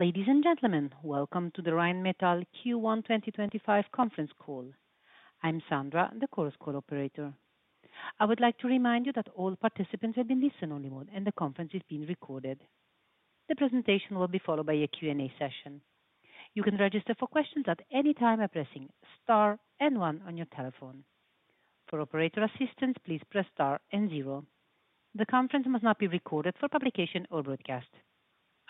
Ladies and gentlemen, welcome to the Rheinmetall Q1 2025 Conference Call. I'm Sandra, the call's operator. I would like to remind you that all participants are in listen-only mode, and the conference is being recorded. The presentation will be followed by a Q&A session. You can register for questions at any time by pressing star and one on your telephone. For operator assistance, please press star and 0. The conference must not be recorded for publication or broadcast.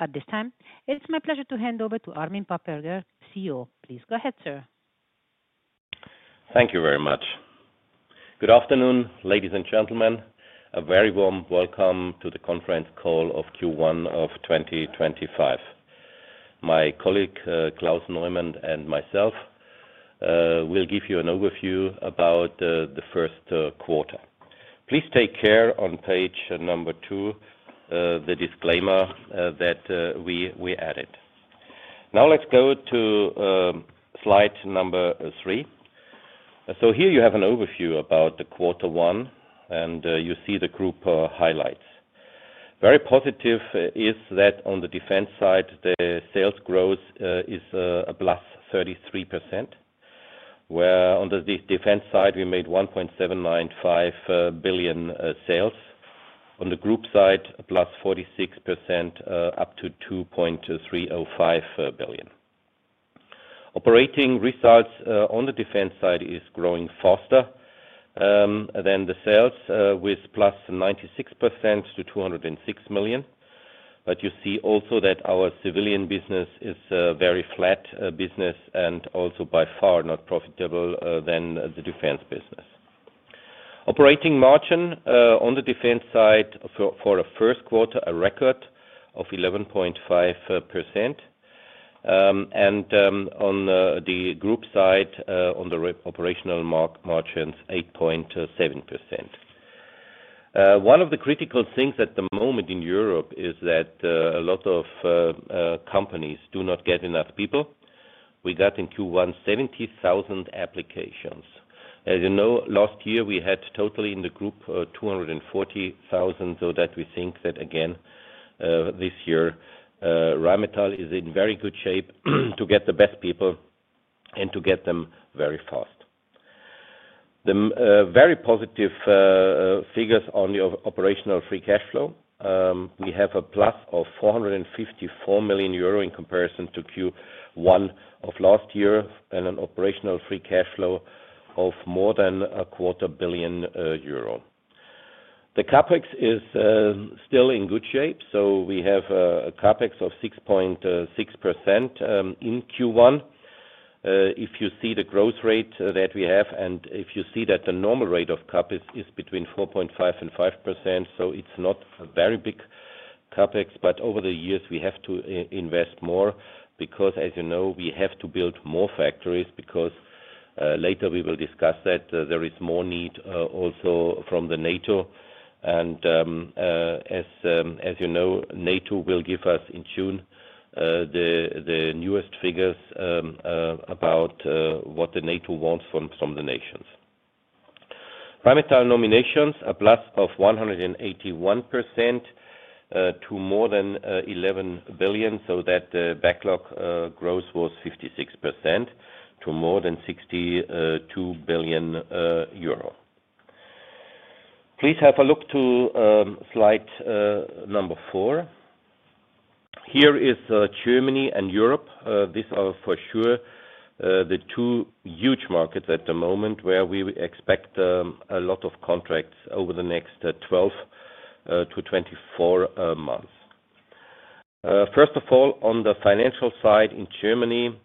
At this time, it's my pleasure to hand over to Armin Papperger, CEO. Please go ahead, sir. Thank you very much. Good afternoon, ladies and gentlemen. A very warm welcome to the conference call of Q1 of 2025. My colleague, Klaus Neumann, and myself will give you an overview about the first quarter. Please take care on page number two, the disclaimer that we added. Now let's go to slide number three. Here you have an overview about quarter one, and you see the group highlights. Very positive is that on the defense side, the sales growth is a +33%, where on the defense side, we made 1.795 billion sales. On the group side, +46%, up to 2.305 billion. Operating results on the defense side are growing faster than the sales, with +96% to 206 million. You see also that our civilian business is a very flat business and also by far not profitable than the defense business. Operating margin on the defense side for a first quarter, a record of 11.5%. On the group side, on the operational margins, 8.7%. One of the critical things at the moment in Europe is that a lot of companies do not get enough people. We got in Q1 70,000 applications. As you know, last year we had totally in the group 240,000, so that we think that again this year Rheinmetall is in very good shape to get the best people and to get them very fast. Very positive figures on the operational free cash flow. We have a plus of 454 million euro in comparison to Q1 of last year and an operational free cash flow of more than 250 million euro. The CapEx is still in good shape, so we have a CapEx of 6.6% in Q1. If you see the growth rate that we have, and if you see that the normal rate of CapEx is between 4.5% and 5%, so it's not a very big CapEx, but over the years we have to invest more because, as you know, we have to build more factories because later we will discuss that there is more need also from NATO. As you know, NATO will give us in June the newest figures about what NATO wants from the nations. Rheinmetall nominations, a plus of 181% to more than 11 billion, so that the backlog growth was 56% to more than 62 billion euro. Please have a look to slide number four. Here is Germany and Europe. These are for sure the two huge markets at the moment where we expect a lot of contracts over the next 12-24 months. First of all, on the financial side in Germany,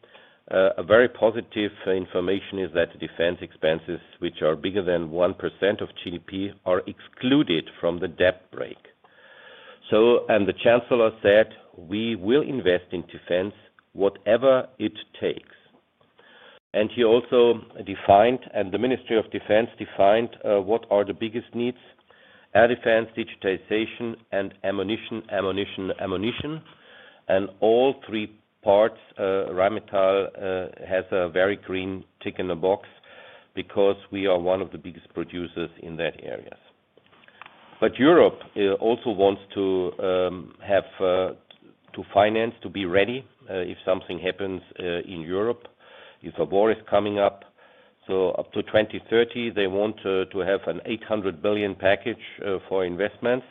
a very positive information is that defense expenses, which are bigger than 1% of GDP, are excluded from the debt break. The Chancellor said, "We will invest in defense whatever it takes." He also defined, and the Ministry of Defense defined, what are the biggest needs: air defense, digitization, and ammunition, ammunition, ammunition. All three parts Rheinmetall has a very green tick in the box because we are one of the biggest producers in that area. Europe also wants to finance to be ready if something happens in Europe, if a war is coming up. Up to 2030, they want to have an 800 billion package for investments.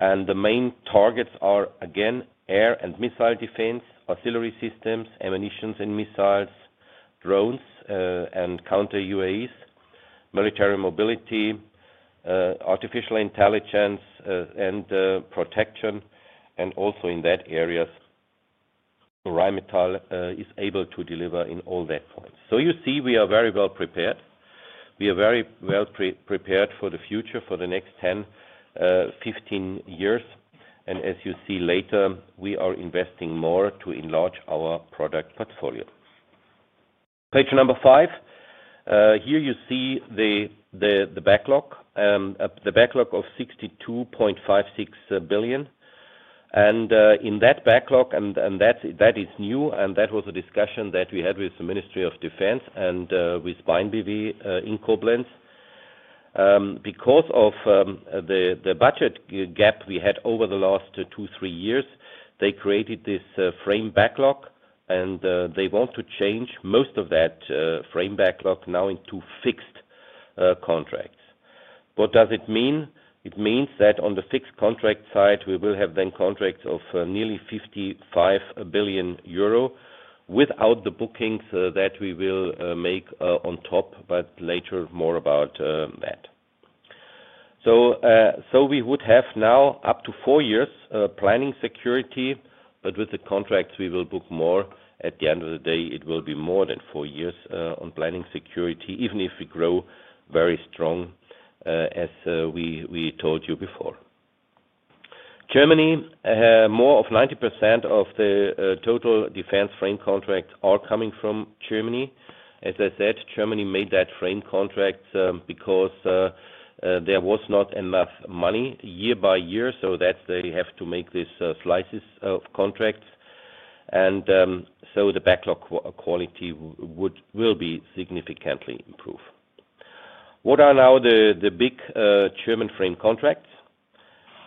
The main targets are, again, air and missile defense, artillery systems, ammunition and missiles, drones and counter-UAVs, military mobility, artificial intelligence, and protection, and also in that areas Rheinmetall is able to deliver in all that points. You see we are very well prepared. We are very well prepared for the future for the next 10, 15 years. As you see later, we are investing more to enlarge our product portfolio. Page number five, here you see the backlog, the backlog of 62.56 billion. In that backlog, and that is new, and that was a discussion that we had with the Ministry of Defense and with BAAINBw in Koblenz. Because of the budget gap we had over the last two, three years, they created this frame backlog, and they want to change most of that frame backlog now into fixed contracts. What does it mean? It means that on the fixed contract side, we will have then contracts of nearly 55 billion euro without the bookings that we will make on top, but later more about that. We would have now up to four years planning security, but with the contracts we will book more. At the end of the day, it will be more than four years on planning security, even if we grow very strong, as we told you before. Germany, more of 90% of the total defense frame contracts are coming from Germany. As I said, Germany made that frame contracts because there was not enough money year by year, so that they have to make these slices of contracts. The backlog quality will be significantly improved. What are now the big German frame contracts?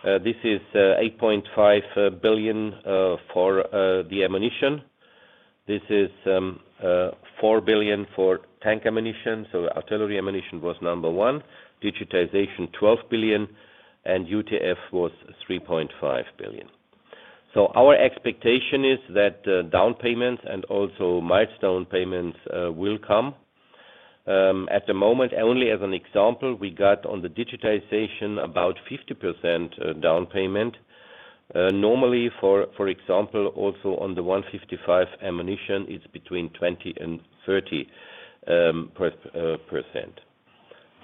This is 8.5 billion for the ammunition. This is 4 billion for tank ammunition. Artillery ammunition was number one, digitization 12 billion, and UTF was 3.5 billion. Our expectation is that downpayments and also milestone payments will come. At the moment, only as an example, we got on the digitization about 50% downpayment. Normally, for example, also on the 155 ammunition, it's between 20%-30%.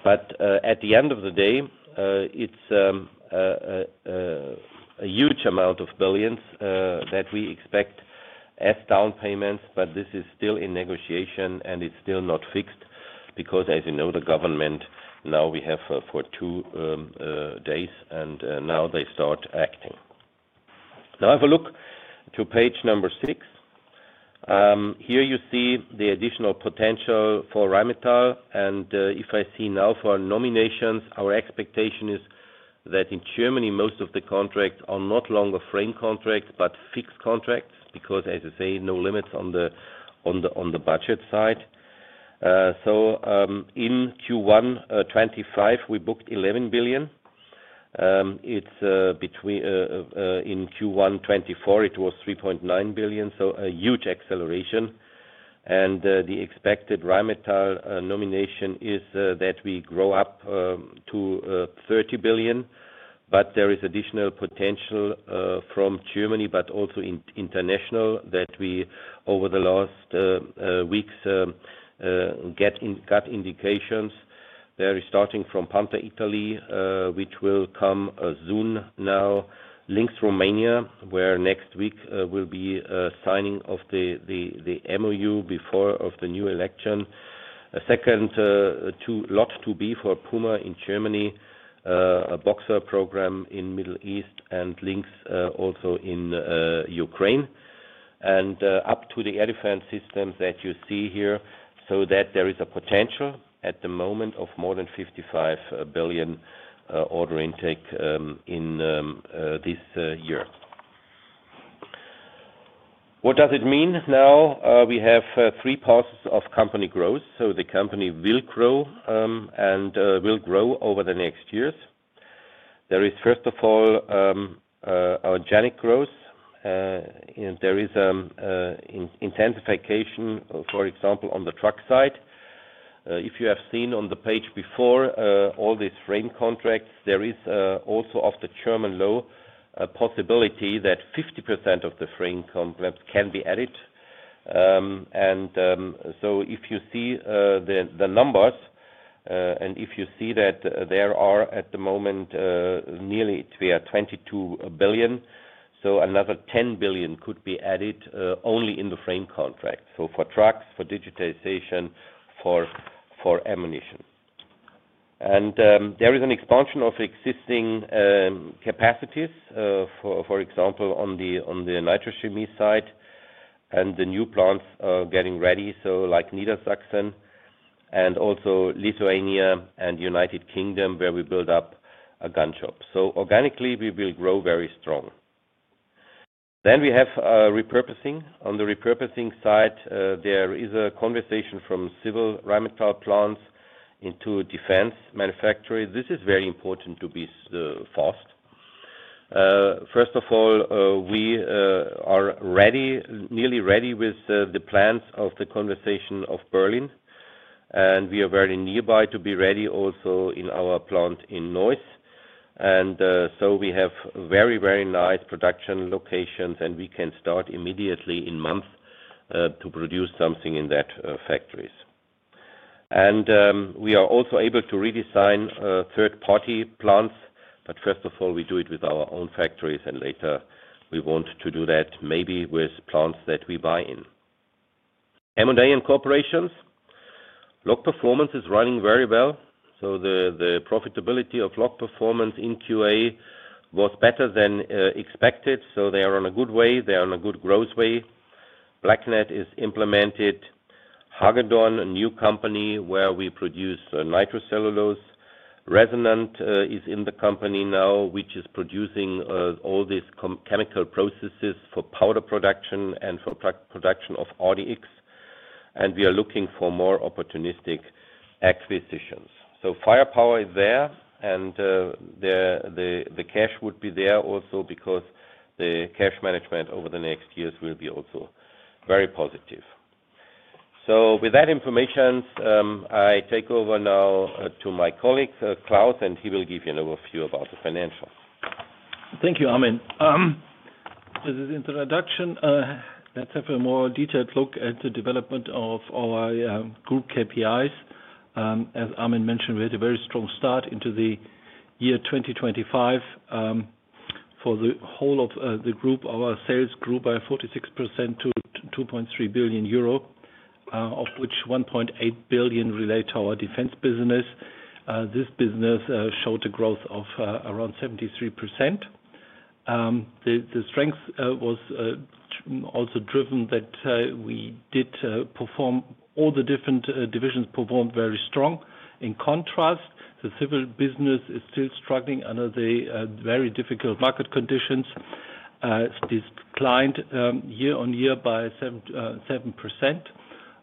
At the end of the day, it's a huge amount of billions that we expect as down payments, but this is still in negotiation and it's still not fixed because, as you know, the government now we have for two days, and now they start acting. Now have a look to page number six. Here you see the additional potential for Rheinmetall. If I see now for nominations, our expectation is that in Germany, most of the contracts are no longer frame contracts but fixed contracts because, as I say, no limits on the budget side. In Q1 2025, we booked EUR 11 billion. In Q1 2024, it was 3.9 billion, so a huge acceleration. The expected Rheinmetall nomination is that we grow up to 30 billion, but there is additional potential from Germany, but also international that we over the last weeks got indications. They are starting from Panther Italy, which will come soon now, Lynx Romania, where next week will be signing of the MOU before the new election, a second lot to be for Puma in Germany, a Boxer program in the Middle East, and Lynx also in Ukraine. Up to the air defense systems that you see here, there is a potential at the moment of more than 55 billion order intake in this year. What does it mean now? We have three paths of company growth. The company will grow and will grow over the next years. There is, first of all, organic growth. There is an intensification, for example, on the truck side. If you have seen on the page before, all these frame contracts, there is also of the German law a possibility that 50% of the frame contracts can be added. If you see the numbers, and if you see that there are at the moment nearly 22 billion, another 10 billion could be added only in the frame contract. For trucks, for digitization, for ammunition. There is an expansion of existing capacities, for example, on the nitrogen side, and the new plants are getting ready, like Niedersachsen and also Lithuania and United Kingdom, where we build up a gun shop. Organically, we will grow very strong. We have repurposing. On the repurposing side, there is a conversation from civil Rheinmetall plants into defense manufacturing. This is very important to be fast. First of all, we are nearly ready with the plans of the conversation of Berlin. We are very nearby to be ready also in our plant in Neuss. We have very, very nice production locations, and we can start immediately in months to produce something in that factories. We are also able to redesign third-party plants. First of all, we do it with our own factories, and later we want to do that maybe with plants that we buy in. M&A and corporations. Lock performance is running very well. The profitability of Lock performance in Q1 was better than expected, so they are on a good way. They are on a good growth way. Blackned is implemented. Hagedorn, a new company where we produce nitrocellulose. Resonant is in the company now, which is producing all these chemical processes for powder production and for production of RDX. We are looking for more opportunistic acquisitions. Firepower is there, and the cash would be there also because the cash management over the next years will be also very positive. With that information, I take over now to my colleague Klaus, and he will give you an overview about the financials. Thank you, Armin. As an introduction, let's have a more detailed look at the development of our group KPIs. As Armin mentioned, we had a very strong start into the year 2025. For the whole of the group, our sales grew by 46% to 2.3 billion euro, of which 1.8 billion relate to our defense business. This business showed a growth of around 73%. The strength was also driven that we did perform, all the different divisions performed very strong. In contrast, the civil business is still struggling under the very difficult market conditions. It declined year on year by 7%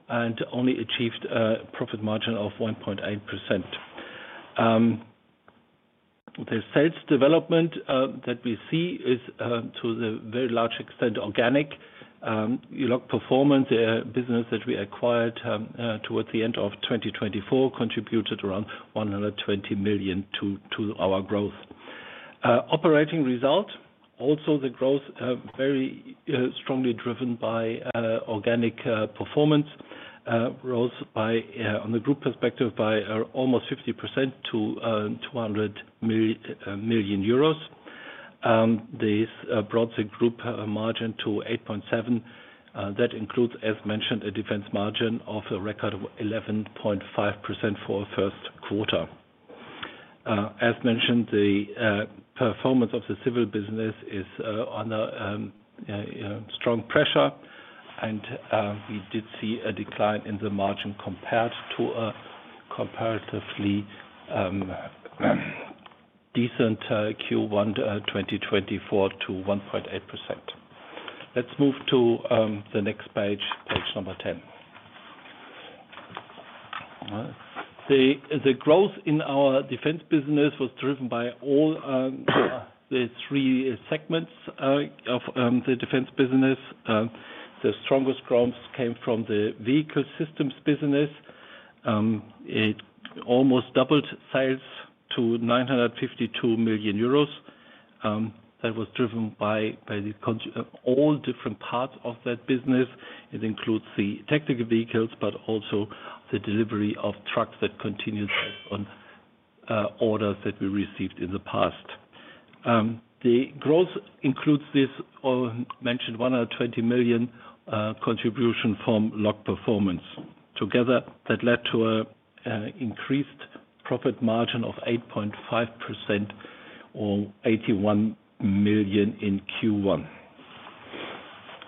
and only achieved a profit margin of 1.8%. The sales development that we see is to the very large extent organic. Loc Performance, a business that we acquired towards the end of 2024, contributed around 120 million to our growth. Operating result, also the growth very strongly driven by organic performance, rose on the group perspective by almost 50% to 200 million euros. This brought the group margin to 8.7%. That includes, as mentioned, a defense margin of a record of 11.5% for the first quarter. As mentioned, the performance of the civil business is under strong pressure, and we did see a decline in the margin compared to a comparatively decent Q1 2024 to 1.8%. Let's move to the next page, page number 10. The growth in our defense business was driven by all the three segments of the defense business. The strongest growth came from the vehicle systems business. It almost doubled sales to 952 million euros. That was driven by all different parts of that business. It includes the technical vehicles, but also the delivery of trucks that continues on orders that we received in the past. The growth includes this mentioned 120 million contribution from lock performance. Together, that led to an increased profit margin of 8.5% or 81 million in Q1.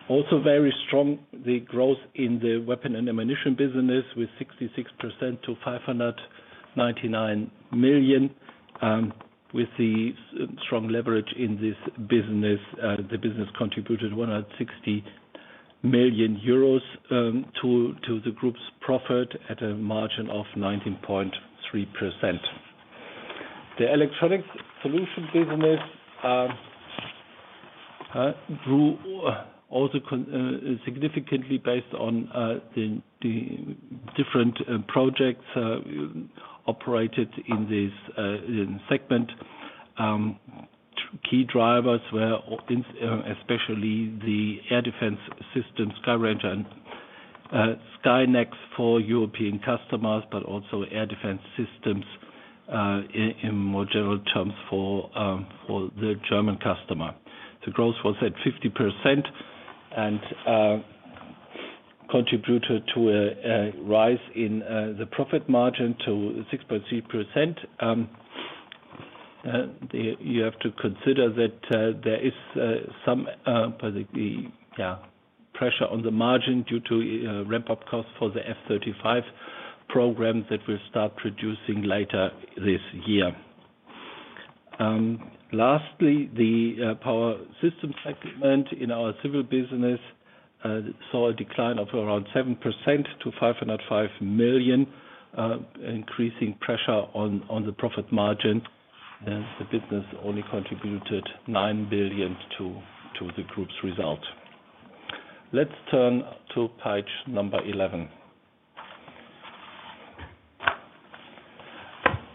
Also very strong, the growth in the weapon and ammunition business with 66% to 599 million. With the strong leverage in this business, the business contributed 160 million euros to the group's profit at a margin of 19.3%. The electronics solution business grew also significantly based on the different projects operated in this segment. Key drivers were especially the air defense systems, Skyranger and Skynex for European customers, but also air defense systems in more general terms for the German customer. The growth was at 50% and contributed to a rise in the profit margin to 6.3%. You have to consider that there is some pressure on the margin due to ramp-up costs for the F-35 program that will start producing later this year. Lastly, the power systems segment in our civil business saw a decline of around 7% to 505 million, increasing pressure on the profit margin. The business only contributed 9 million to the group's result. Let's turn to page number 11.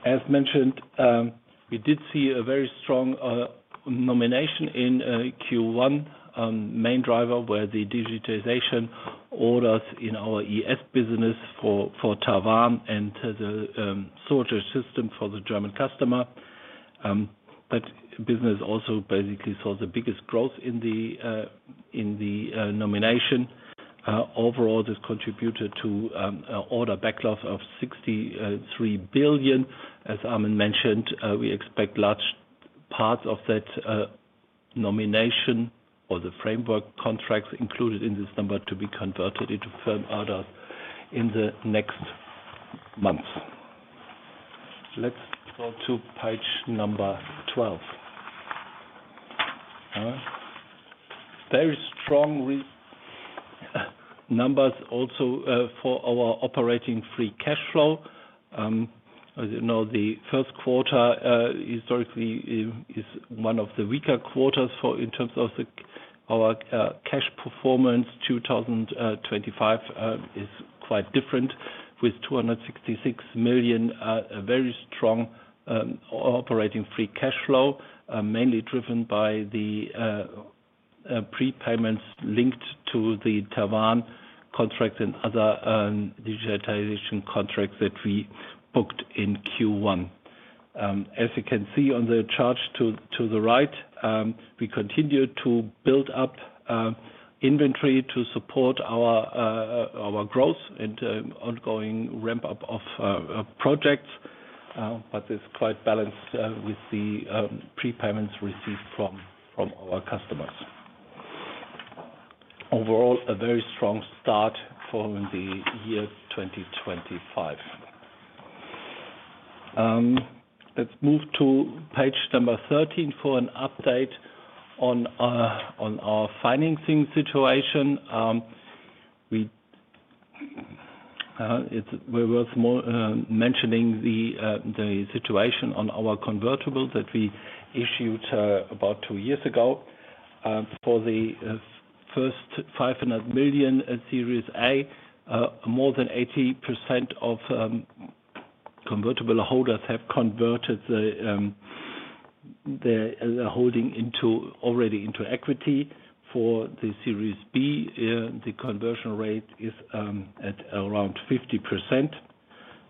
As mentioned, we did see a very strong nomination in Q1. Main driver were the digitization orders in our ES business for TaWAN and the soldier system for the German customer. That business also basically saw the biggest growth in the nomination. Overall, this contributed to order backlogs of 63 billion. As Armin mentioned, we expect large parts of that nomination or the frame contracts included in this number to be converted into firm orders in the next months. Let's go to page number 12. Very strong numbers also for our operating free cash flow. As you know, the first quarter historically is one of the weaker quarters in terms of our cash performance. 2025 is quite different with 266 million, a very strong operating free cash flow, mainly driven by the prepayments linked to the TaWAN contract and other digitization contracts that we booked in Q1. As you can see on the chart to the right, we continue to build up inventory to support our growth and ongoing ramp-up of projects, but it is quite balanced with the prepayments received from our customers. Overall, a very strong start for the year 2025. Let's move to page number 13 for an update on our financing situation. We were mentioning the situation on our convertible that we issued about two years ago. For the first 500 million at Series A, more than 80% of convertible holders have converted the holding already into equity. For the Series B, the conversion rate is at around 50%.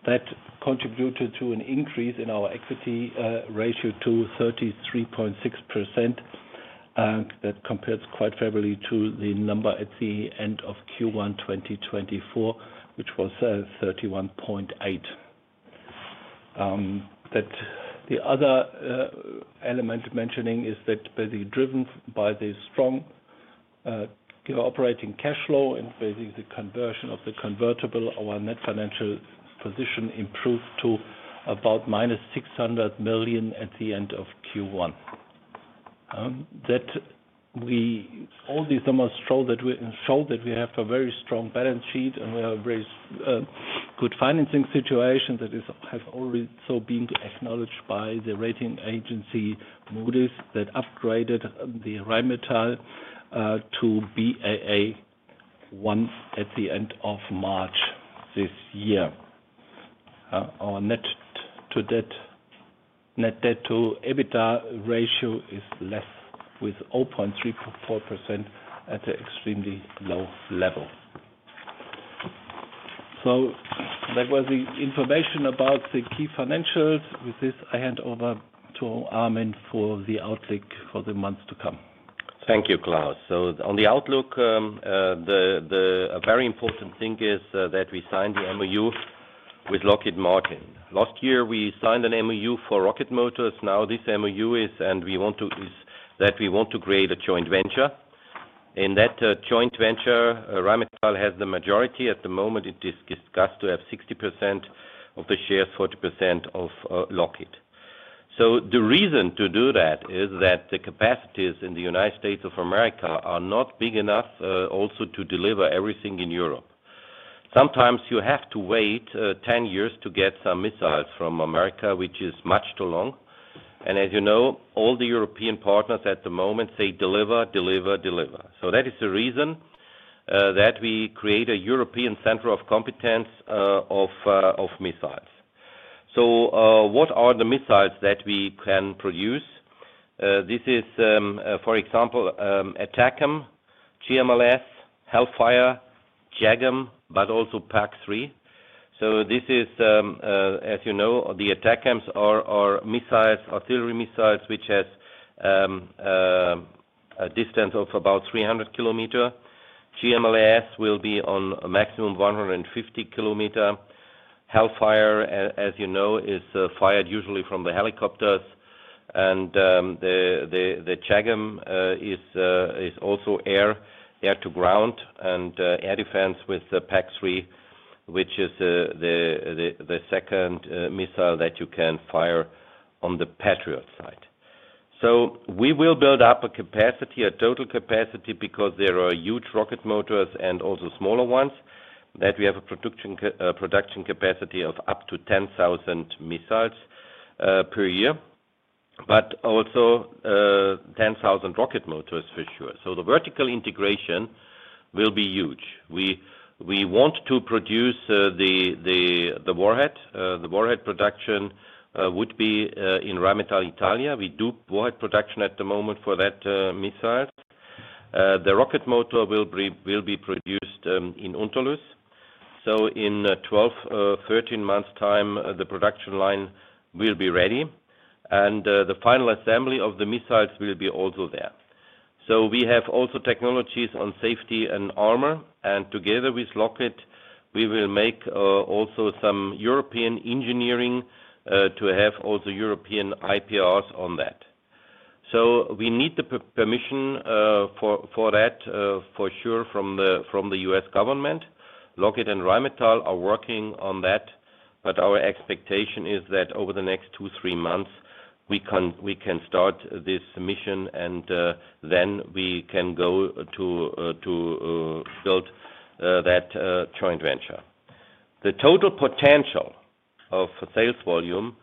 That contributed to an increase in our equity ratio to 33.6%. That compares quite favorably to the number at the end of Q1 2024, which was 31.8%. The other element mentioning is that basically driven by the strong operating cash flow and basically the conversion of the convertible, our net financial position improved to about 600 million at the end of Q1. All these numbers show that we have a very strong balance sheet and we have a very good financing situation that has already been acknowledged by the rating agency Moody's that upgraded Rheinmetall to Baa1 at the end of March this year. Our net debt to EBITDA ratio is less with 0.34% at an extremely low level. That was the information about the key financials. With this, I hand over to Armin for the outlook for the months to come. Thank you, Klaus. On the outlook, the very important thing is that we signed the MOU with Lockheed Martin. Last year, we signed an MOU for rocket motors. Now, this MOU is that we want to create a joint venture. In that joint venture, Rheinmetall has the majority. At the moment, it is discussed to have 60% of the shares, 40% of Lockheed. The reason to do that is that the capacities in the U.S. are not big enough also to deliver everything in Europe. Sometimes you have to wait 10 years to get some missiles from America, which is much too long. As you know, all the European partners at the moment, they deliver, deliver, deliver. That is the reason that we create a European center of competence of missiles. What are the missiles that we can produce? This is, for example, ATACMS, GMLRS, Hellfire, JAGM, but also PAC-3. This is, as you know, the ATACMS are missiles, artillery missiles, which have a distance of about 300 km. GMLRS will be on a maximum of 150 km. Hellfire, as you know, is fired usually from the helicopters. The JAGM is also air-to-ground and air defense with the PAC-3, which is the second missile that you can fire on the Patriot side. We will build up a capacity, a total capacity, because there are huge rocket motors and also smaller ones, that we have a production capacity of up to 10,000 missiles per year, but also 10,000 rocket motors for sure. The vertical integration will be huge. We want to produce the warhead. The warhead production would be in Rheinmetall Italia. We do warhead production at the moment for that missile. The rocket motor will be produced in Unterlüß. In 12-13 months' time, the production line will be ready. The final assembly of the missiles will also be there. We have technologies on safety and armor. Together with Lockheed, we will also do some European engineering to have European IPRs on that. We need the permission for that from the U.S. government. Lockheed and Rheinmetall are working on that. Our expectation is that over the next two to three months, we can start this mission, and then we can go to build that joint venture. The total potential of sales volume,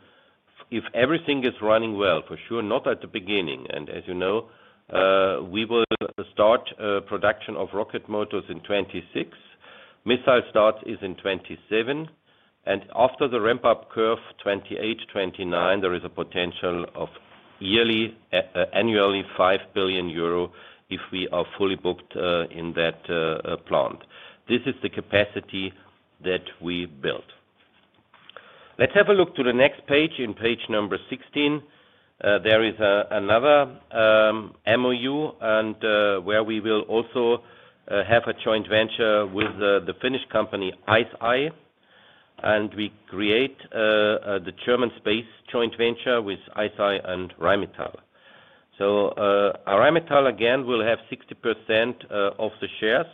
if everything is running well, for sure, not at the beginning. As you know, we will start production of rocket motors in 2026. Missile start is in 2027. After the ramp-up curve, 2028, 2029, there is a potential of annually 5 billion euro if we are fully booked in that plant. This is the capacity that we built. Let's have a look to the next page. On page number 16, there is another MOU where we will also have a joint venture with the Finnish company ICEYE. We create the German space joint venture with ICEYE and Rheinmetall. Rheinmetall, again, will have 60% of the shares.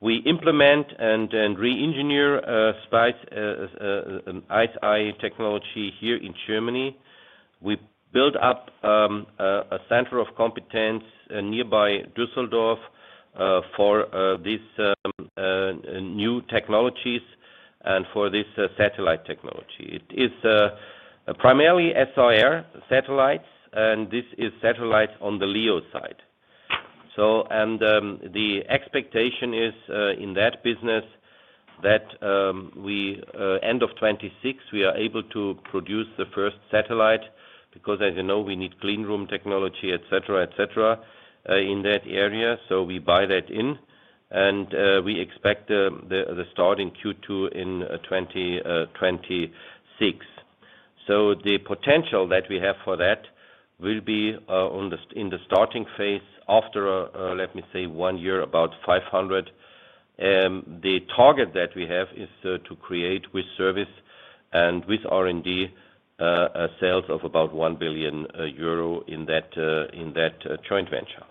We implement and re-engineer ICEYE technology here in Germany. We build up a center of competence nearby Düsseldorf for these new technologies and for this satellite technology. It is primarily SAR satellites, and this is satellites on the LEO side. The expectation is in that business that end of 2026, we are able to produce the first satellite because, as you know, we need clean room technology, etc., etc., in that area. We buy that in. We expect the start in Q2 in 2026. The potential that we have for that will be in the starting phase after, let me say, one year, about 500. The target that we have is to create with service and with R&D sales of about 1 billion euro in that joint venture.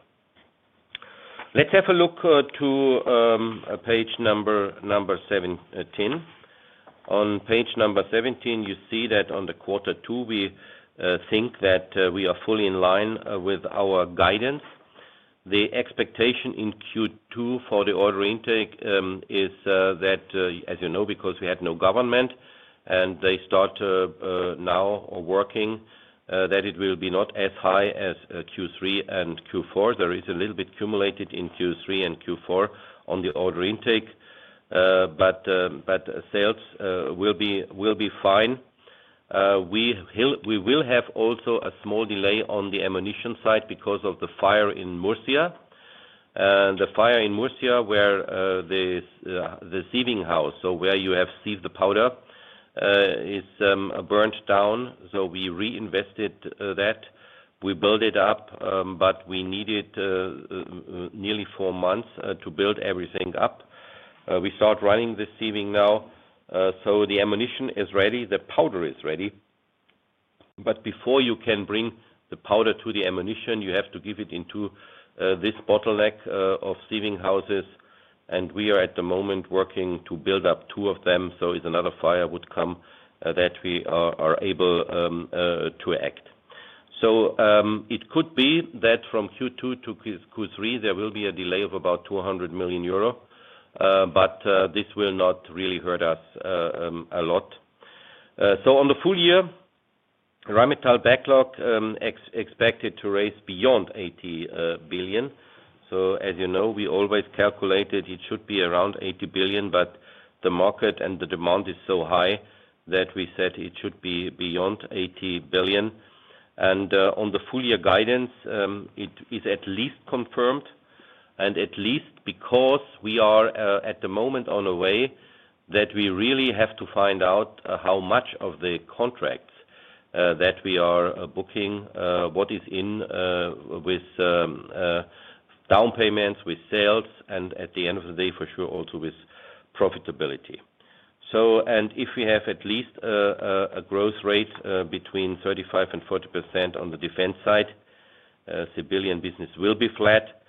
Let's have a look to page number 17. On page number 17, you see that on the quarter two, we think that we are fully in line with our guidance. The expectation in Q2 for the order intake is that, as you know, because we had no government and they start now working, that it will be not as high as Q3 and Q4. There is a little bit cumulated in Q3 and Q4 on the order intake, but sales will be fine. We will have also a small delay on the ammunition side because of the fire in Murcia. The fire in Murcia, where the sieving house, so where you have sieved the powder, is burnt down. We reinvested that. We built it up, but we needed nearly four months to build everything up. We start running the sieving now. The ammunition is ready. The powder is ready. Before you can bring the powder to the ammunition, you have to give it into this bottleneck of sieving houses. We are at the moment working to build up two of them. If another fire would come, we are able to act. It could be that from Q2 to Q3, there will be a delay of about 200 million euro, but this will not really hurt us a lot. On the full year, Rheinmetall backlog is expected to raise beyond 80 billion. As you know, we always calculated it should be around 80 billion, but the market and the demand is so high that we said it should be beyond 80 billion. On the full year guidance, it is at least confirmed. At least because we are at the moment on a way that we really have to find out how much of the contracts that we are booking, what is in with down payments, with sales, and at the end of the day, for sure, also with profitability. If we have at least a growth rate between 35%-40% on the defense side, civilian business will be flat.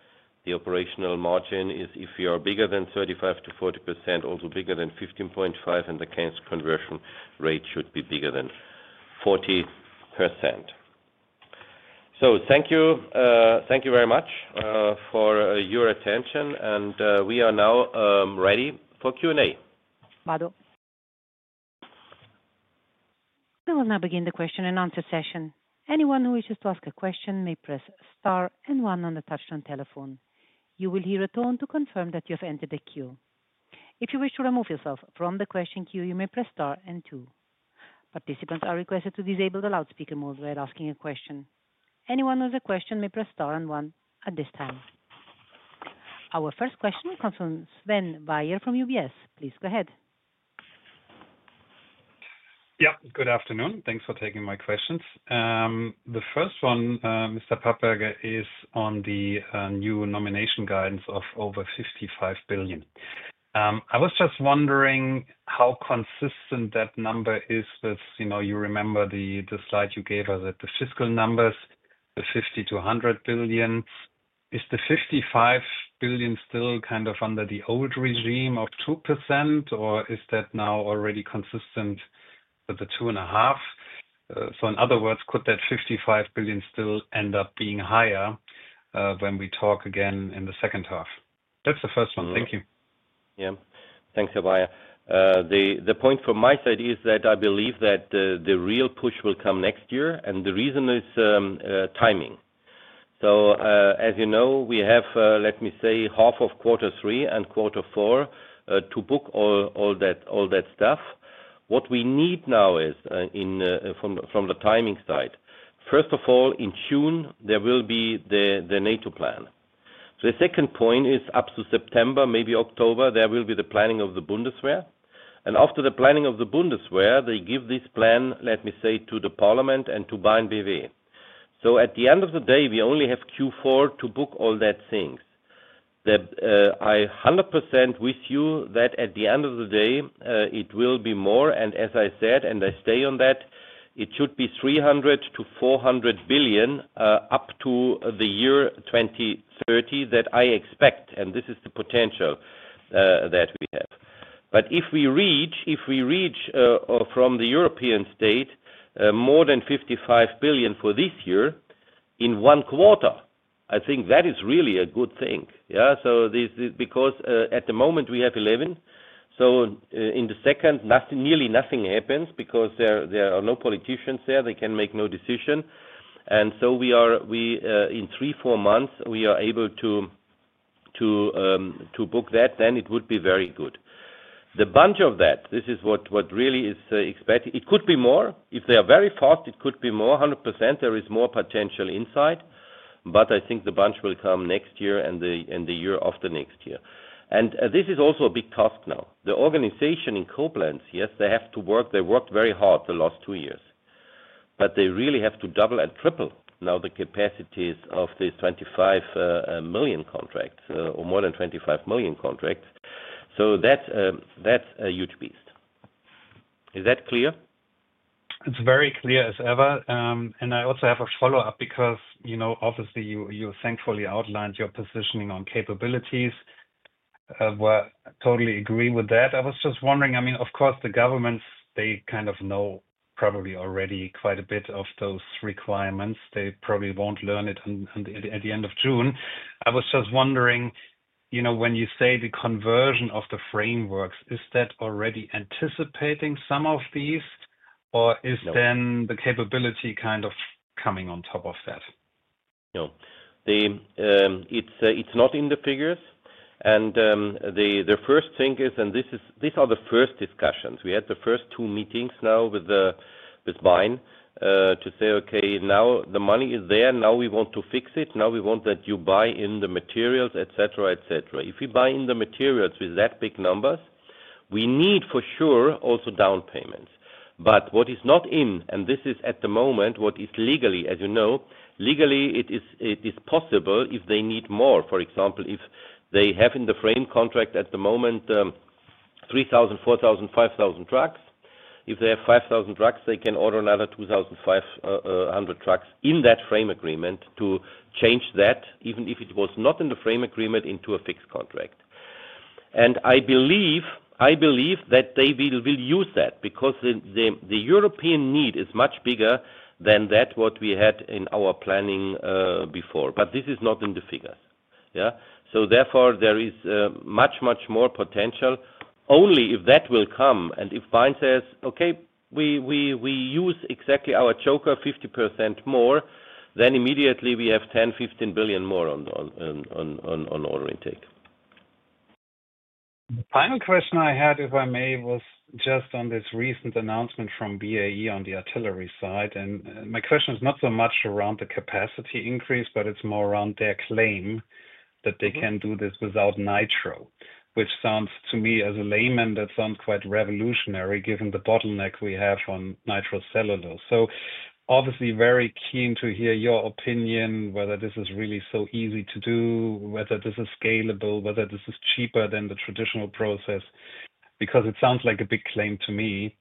The operational margin is if you are bigger than 35%-40%, also bigger than 15.5, and the case conversion rate should be bigger than 40%. Thank you. Thank you very much for your attention. We are now ready for Q&A. We will now begin the question-and-answer session. Anyone who wishes to ask a question may press star and one on the touch-tone telephone. You will hear a tone to confirm that you have entered the queue. If you wish to remove yourself from the question queue, you may press star and two. Participants are requested to disable the loudspeaker mode while asking a question. Anyone with a question may press star and one at this time. Our first question comes from Sven Weier from UBS. Please go ahead. Yep. Good afternoon. Thanks for taking my questions. The first one, Mr. Papperger, is on the new nomination guidance of over 55 billion. I was just wondering how consistent that number is with, you know, you remember the slide you gave us at the fiscal numbers, the 50 billion-100 billion. Is the 55 billion still kind of under the old regime of 2%, or is that now already consistent with the 2.5%? In other words, could that 55 billion still end up being higher when we talk again in the second half? That's the first one. Thank you. Yeah. Thanks, higher. The point from my side is that I believe that the real push will come next year. The reason is timing. As you know, we have, let me say, half of quarter three and quarter four to book all that stuff. What we need now is from the timing side. First of all, in June, there will be the NATO plan. The second point is up to September, maybe October, there will be the planning of the Bundeswehr. After the planning of the Bundeswehr, they give this plan, let me say, to the parliament and to. At the end of the day, we only have Q4 to book all that things. I 100% with you that at the end of the day, it will be more. As I said, and I stay on that, it should be 300 billion-400 billion up to the year 2030 that I expect. This is the potential that we have. If we reach from the European state more than 55 billion for this year in one quarter, I think that is really a good thing. Yeah. At the moment, we have 11. In the second, nearly nothing happens because there are no politicians there. They can make no decision. In three, four months, if we are able to book that, then it would be very good. The bunch of that, this is what really is expected. It could be more. If they are very fast, it could be more. 100% there is more potential inside. I think the bunch will come next year and the year after next year. This is also a big task now. The organization in Koblenz, yes, they have to work. They worked very hard the last two years. They really have to double and triple now the capacities of these 25 million contracts or more than 25 million contracts. That is a huge beast. Is that clear? It's very clear as ever. I also have a follow-up because, you know, obviously, you thankfully outlined your positioning on capabilities. I totally agree with that. I was just wondering, I mean, of course, the governments, they kind of know probably already quite a bit of those requirements. They probably won't learn it at the end of June. I was just wondering, you know, when you say the conversion of the frameworks, is that already anticipating some of these, or is then the capability kind of coming on top of that? No. It's not in the figures. The first thing is, and these are the first discussions. We had the first two meetings now with [BAE] to say, "Okay, now the money is there. Now we want to fix it. Now we want that you buy in the materials, etc., etc." If we buy in the materials with that big numbers, we need for sure also downpayments. What is not in, and this is at the moment what is legally, as you know, legally, it is possible if they need more. For example, if they have in the frame contract at the moment 3,000, 4,000, 5,000 trucks, if they have 5,000 trucks, they can order another 2,500 trucks in that frame agreement to change that, even if it was not in the frame agreement, into a fixed contract. I believe that they will use that because the European need is much bigger than what we had in our planning before. This is not in the figures. Yeah. Therefore, there is much, much more potential only if that will come. If BAE] says, "Okay, we use exactly our choker 50% more," then immediately we have 10 billion-15 billion more on order intake. The final question I had, if I may, was just on this recent announcement from BAE on the artillery side. My question is not so much around the capacity increase, but it is more around their claim that they can do this without nitro, which sounds to me as a layman, that sounds quite revolutionary given the bottleneck we have on nitrocellulose. Obviously, very keen to hear your opinion, whether this is really so easy to do, whether this is scalable, whether this is cheaper than the traditional process, because it sounds like a big claim to me.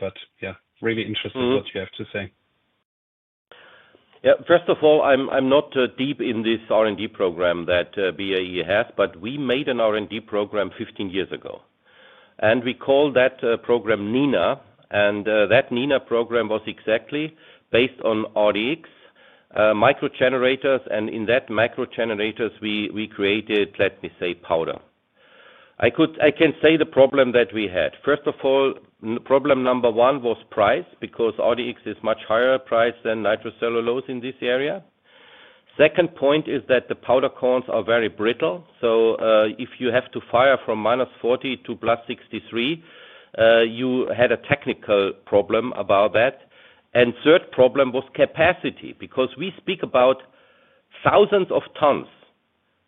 Really interested in what you have to say. Yeah. First of all, I'm not deep in this R&D program that BAE has, but we made an R&D program 15 years ago. We called that program NINA. That NINA program was exactly based on RDX, micro-generators. In that micro-generators, we created, let me say, powder. I can say the problem that we had. First of all, problem number one was price because RDX is much higher price than nitrocellulose in this area. Second point is that the powder cones are very brittle. If you have to fire from -40 to +63 degrees Celsius, you had a technical problem about that. Third problem was capacity because we speak about thousands of tons.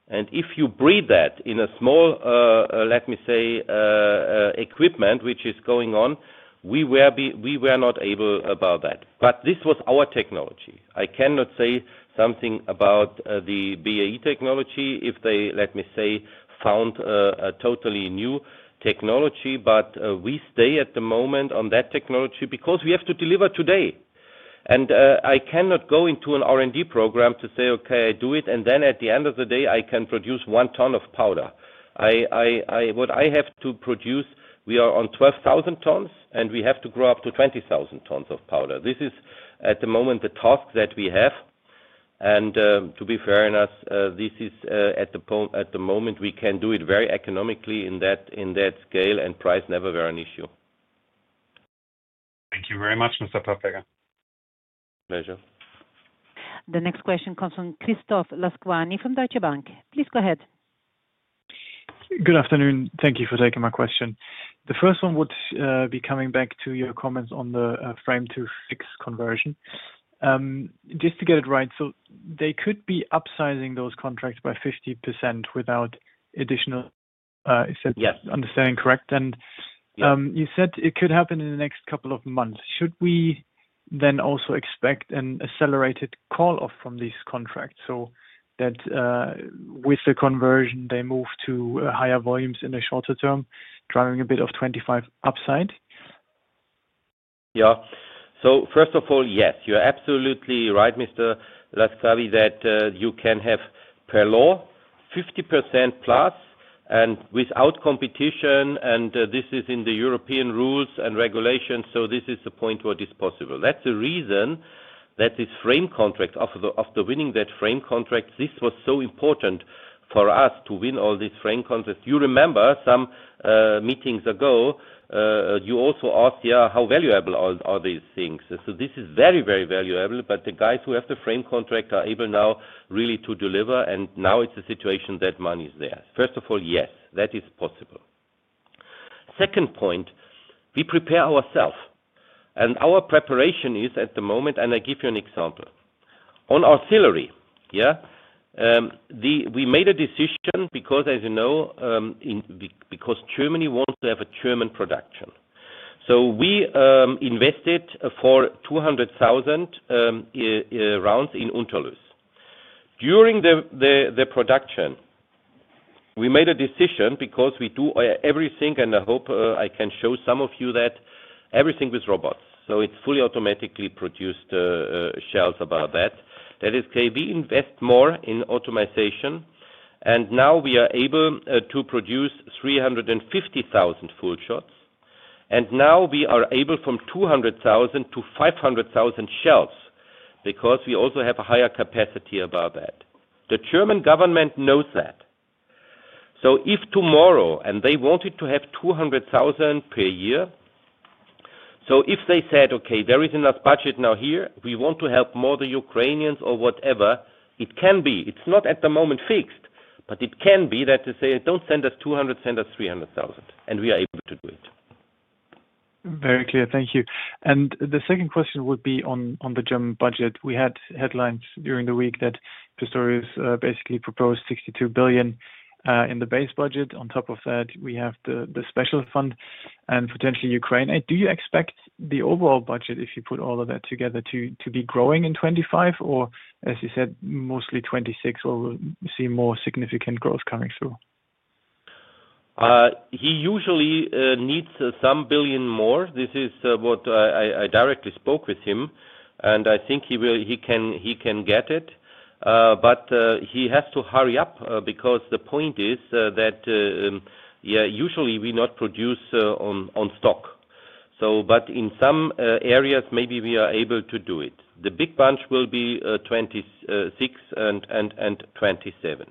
If you breed that in a small, let me say, equipment, which is going on, we were not able about that. This was our technology. I cannot say something about the BAE technology if they, let me say, found a totally new technology. We stay at the moment on that technology because we have to deliver today. I cannot go into an R&D program to say, "Okay, I do it," and then at the end of the day, I can produce one ton of powder. What I have to produce, we are on 12,000 tons, and we have to grow up to 20,000 tons of powder. This is at the moment the task that we have. To be fair enough, this is at the moment we can do it very economically in that scale, and price never was an issue. Thank you very much, Mr. Papperger. Pleasure. The next question comes from Christoph Laskawi from Deutsche Bank. Please go ahead. Good afternoon. Thank you for taking my question. The first one would be coming back to your comments on the frame to fix conversion. Just to get it right, so they could be upsizing those contracts by 50% without additional. Yes. Is that understanding correct? You said it could happen in the next couple of months. Should we then also expect an accelerated call-off from these contracts so that with the conversion, they move to higher volumes in the shorter term, driving a bit of 2025 upside? Yeah. First of all, yes, you're absolutely right, Mr. Laskawi, that you can have per law 50%+ and without competition. This is in the European rules and regulations. This is the point where it is possible. That's the reason that this frame contract, after winning that frame contract, this was so important for us to win all these frame contracts. You remember some meetings ago, you also asked, yeah, how valuable are these things? This is very, very valuable. The guys who have the frame contract are able now really to deliver. Now it's a situation that money is there. First of all, yes, that is possible. Second point, we prepare ourselves. Our preparation is at the moment, and I give you an example. On artillery, yeah, we made a decision because, as you know, because Germany wants to have a German production. We invested for 200,000 rounds in Unterlüß. During the production, we made a decision because we do everything, and I hope I can show some of you that everything with robots. It is fully automatically produced shells about that. That is, okay, we invest more in automation. Now we are able to produce 350,000 full shots. Now we are able from 200,000 to 500,000 shells because we also have a higher capacity about that. The German government knows that. If tomorrow, and they wanted to have 200,000 per year, if they said, "Okay, there is enough budget now here. We want to help more the Ukrainians or whatever," it can be. It's not at the moment fixed, but it can be that they say, "Don't send us 200, send us 300,000." We are able to do it. Very clear. Thank you. The second question would be on the German budget. We had headlines during the week that Pistorius basically proposed 62 billion in the base budget. On top of that, we have the special fund and potentially Ukraine. Do you expect the overall budget, if you put all of that together, to be growing in 2025 or, as you said, mostly 2026, or we'll see more significant growth coming through? He usually needs some billion more. This is what I directly spoke with him. I think he can get it. He has to hurry up because the point is that usually we do not produce on stock. In some areas, maybe we are able to do it. The big bunch will be 2026 and 2027.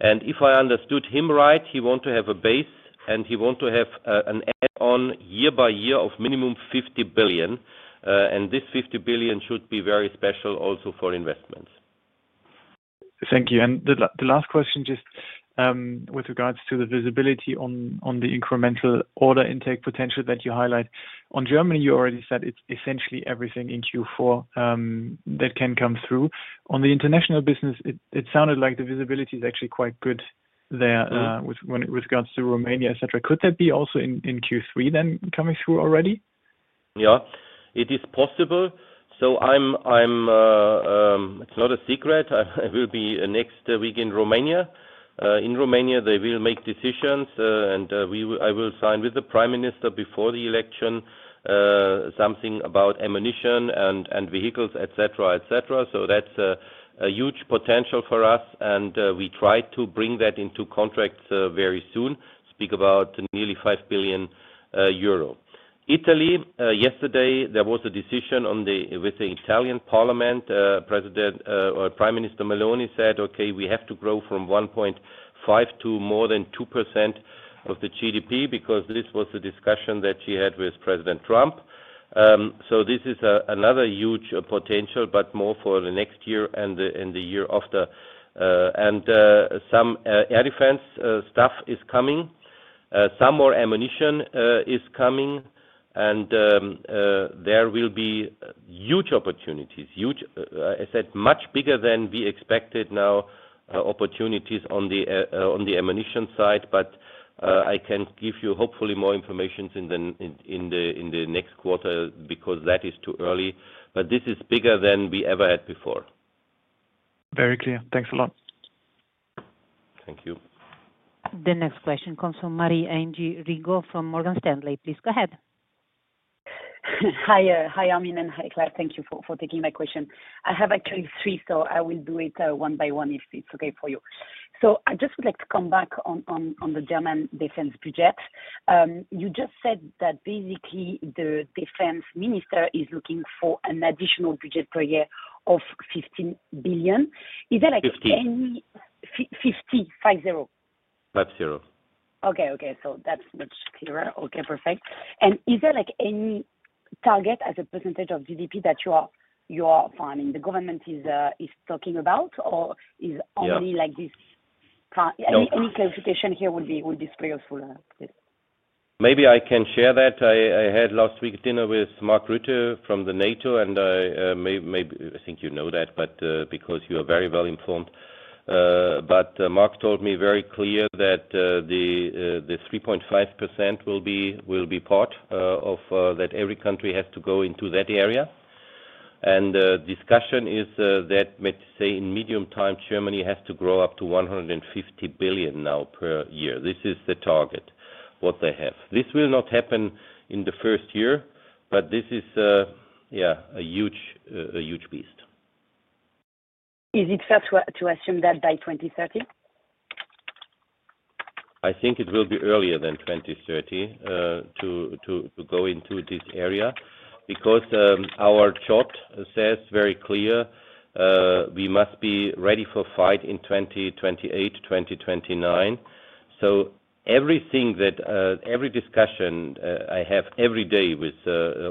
If I understood him right, he wants to have a base, and he wants to have an add-on year by year of minimum 50 billion. This 50 billion should be very special also for investments. Thank you. The last question, just with regards to the visibility on the incremental order intake potential that you highlight. On Germany, you already said it is essentially everything in Q4 that can come through. On the international business, it sounded like the visibility is actually quite good there with regards to Romania, etc. Could that be also in Q3 then coming through already? Yeah. It is possible. So it's not a secret. I will be next week in Romania. In Romania, they will make decisions. And I will sign with the Prime Minister before the election something about ammunition and vehicles, etc., etc. That is a huge potential for us. We tried to bring that into contracts very soon, speak about nearly 5 billion euro. Italy, yesterday, there was a decision with the Italian parliament. Prime Minister Meloni said, "Okay, we have to grow from 1.5% to more than 2% of the GDP because this was the discussion that she had with President Trump." This is another huge potential, but more for the next year and the year after. Some air defense stuff is coming. Some more ammunition is coming. There will be huge opportunities, huge, I said, much bigger than we expected now, opportunities on the ammunition side. I can give you hopefully more information in the next quarter because that is too early. This is bigger than we ever had before. Very clear. Thanks a lot. Thank you. The next question comes from Marie-Ange Riggio from Morgan Stanley. Please go ahead. Hi, Armin, and hi, Klaus. Thank you for taking my question. I have actually three, so I will do it one by one if it's okay for you. I just would like to come back on the German defense budget. You just said that basically the defense minister is looking for an additional budget per year of 15 billion. Is there like any. 50. 50? Five zero? Five zero. Okay, okay. That's much clearer. Okay, perfect. Is there like any target as a percentage of GDP that you are finding the government is talking about or is it only like this? Yeah. Any clarification here would be very useful. Maybe I can share that. I had last week dinner with Mark Rutte from NATO, and I think you know that, but because you are very well informed. Mark told me very clear that the 3.5% will be part of that every country has to go into that area. The discussion is that, say, in medium time, Germany has to grow up to 150 billion now per year. This is the target what they have. This will not happen in the first year, but this is, yeah, a huge beast. Is it fair to assume that by 2030? I think it will be earlier than 2030 to go into this area because our chart says very clear we must be ready for fight in 2028, 2029. Everything that every discussion I have every day with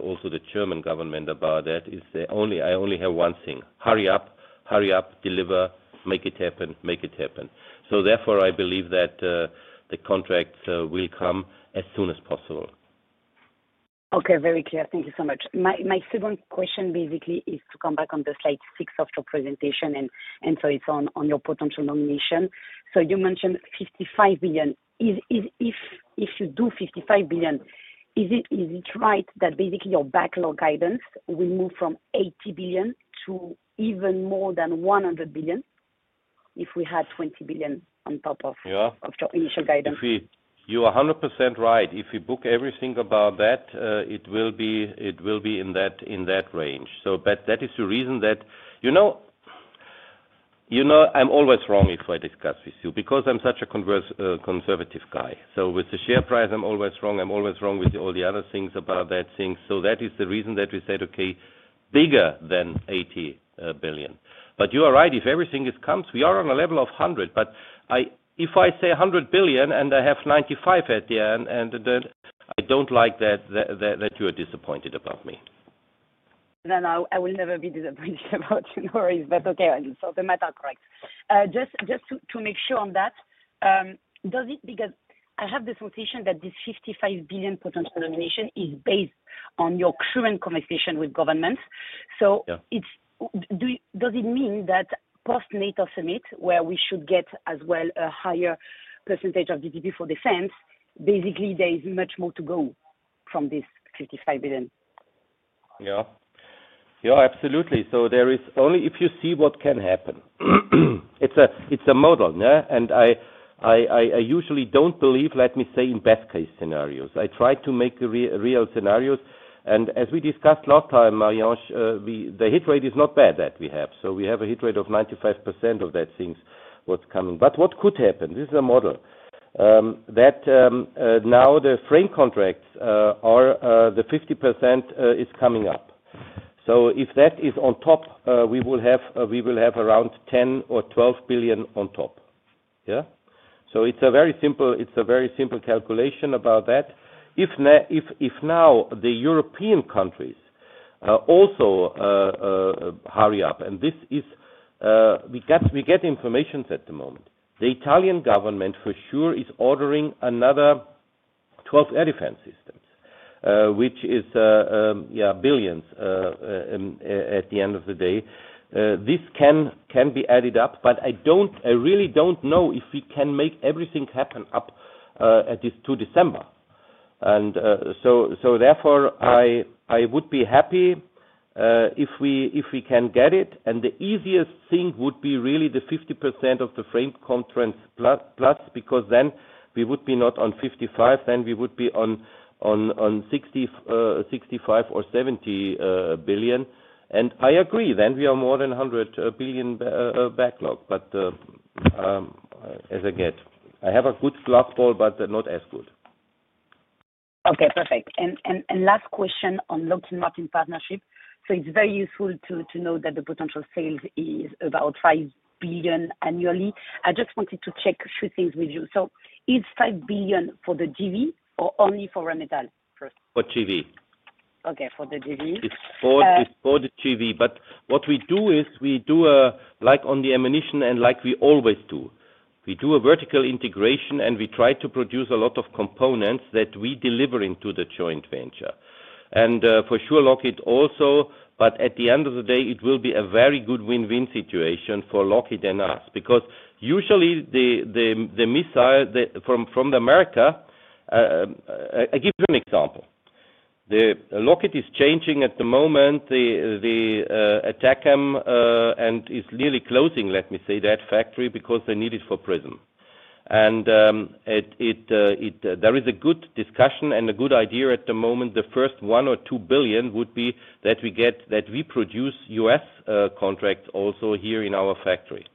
also the German government about that is I only have one thing: hurry up, hurry up, deliver, make it happen, make it happen. Therefore, I believe that the contracts will come as soon as possible. Okay, very clear. Thank you so much. My second question basically is to come back on the slide six of your presentation, and so it's on your potential nomination. You mentioned 55 billion. If you do 55 billion, is it right that basically your backlog guidance will move from 80 billion to even more than 100 billion if we add 20 billion on top of your initial guidance? You're 100% right. If we book everything about that, it will be in that range. That is the reason that you know I'm always wrong if I discuss with you because I'm such a conservative guy. With the share price, I'm always wrong. I'm always wrong with all the other things about that thing. That is the reason that we said, okay, bigger than 80 billion. You are right. If everything comes, we are on a level of 100 billion. If I say 100 billion and I have 95 billion at the end, I don't like that you are disappointed about me. I will never be disappointed about you. No worries. Okay, so the matter is correct. Just to make sure on that, does it, because I have the sensation that this 55 billion potential nomination is based on your current conversation with government. Does it mean that post-NATO summit where we should get as well a higher percentage of GDP for defense, basically there is much more to go from this 55 billion? Yeah. Yeah, absolutely. There is only if you see what can happen. It's a model. I usually don't believe, let me say, in best-case scenarios. I try to make real scenarios. As we discussed last time, Marie-Ange, the hit rate is not bad that we have. We have a hit rate of 95% of the things what's coming. What could happen? This is a model that now the frame contracts are, the 50% is coming up. If that is on top, we will have around 10 billion or 12 billion on top. Yeah. It's a very simple calculation about that. If now the European countries also hurry up, and this is, we get information at the moment. The Italian government for sure is ordering another 12 air defense systems, which is, yeah, billions at the end of the day. This can be added up, but I really don't know if we can make everything happen up to December. Therefore, I would be happy if we can get it. The easiest thing would be really the 50% of the frame contracts plus, because then we would be not on 55, then we would be on 65 or 70 billion. I agree, then we are more than 100 billion backlog. As I get, I have a good glass ball, but not as good. Okay, perfect. Last question on locking up in partnership. It's very useful to know that the potential sales is about 5 billion annually. I just wanted to check a few things with you. Is it 5 billion for the JV or only for Rheinmetall first? For JV. Okay, for the JV. It's for the JV. What we do is we do like on the ammunition and like we always do. We do a vertical integration, and we try to produce a lot of components that we deliver into the joint venture. For sure, Lockheed also, but at the end of the day, it will be a very good win-win situation for Lockheed and us because usually the missile from America, I give you an example. Lockheed is changing at the moment the ATACMS and is nearly closing, let me say, that factory because they need it for PrISM. There is a good discussion and a good idea at the moment. The first $1 billion-$2 billion would be that we produce U.S. contracts also here in our factory.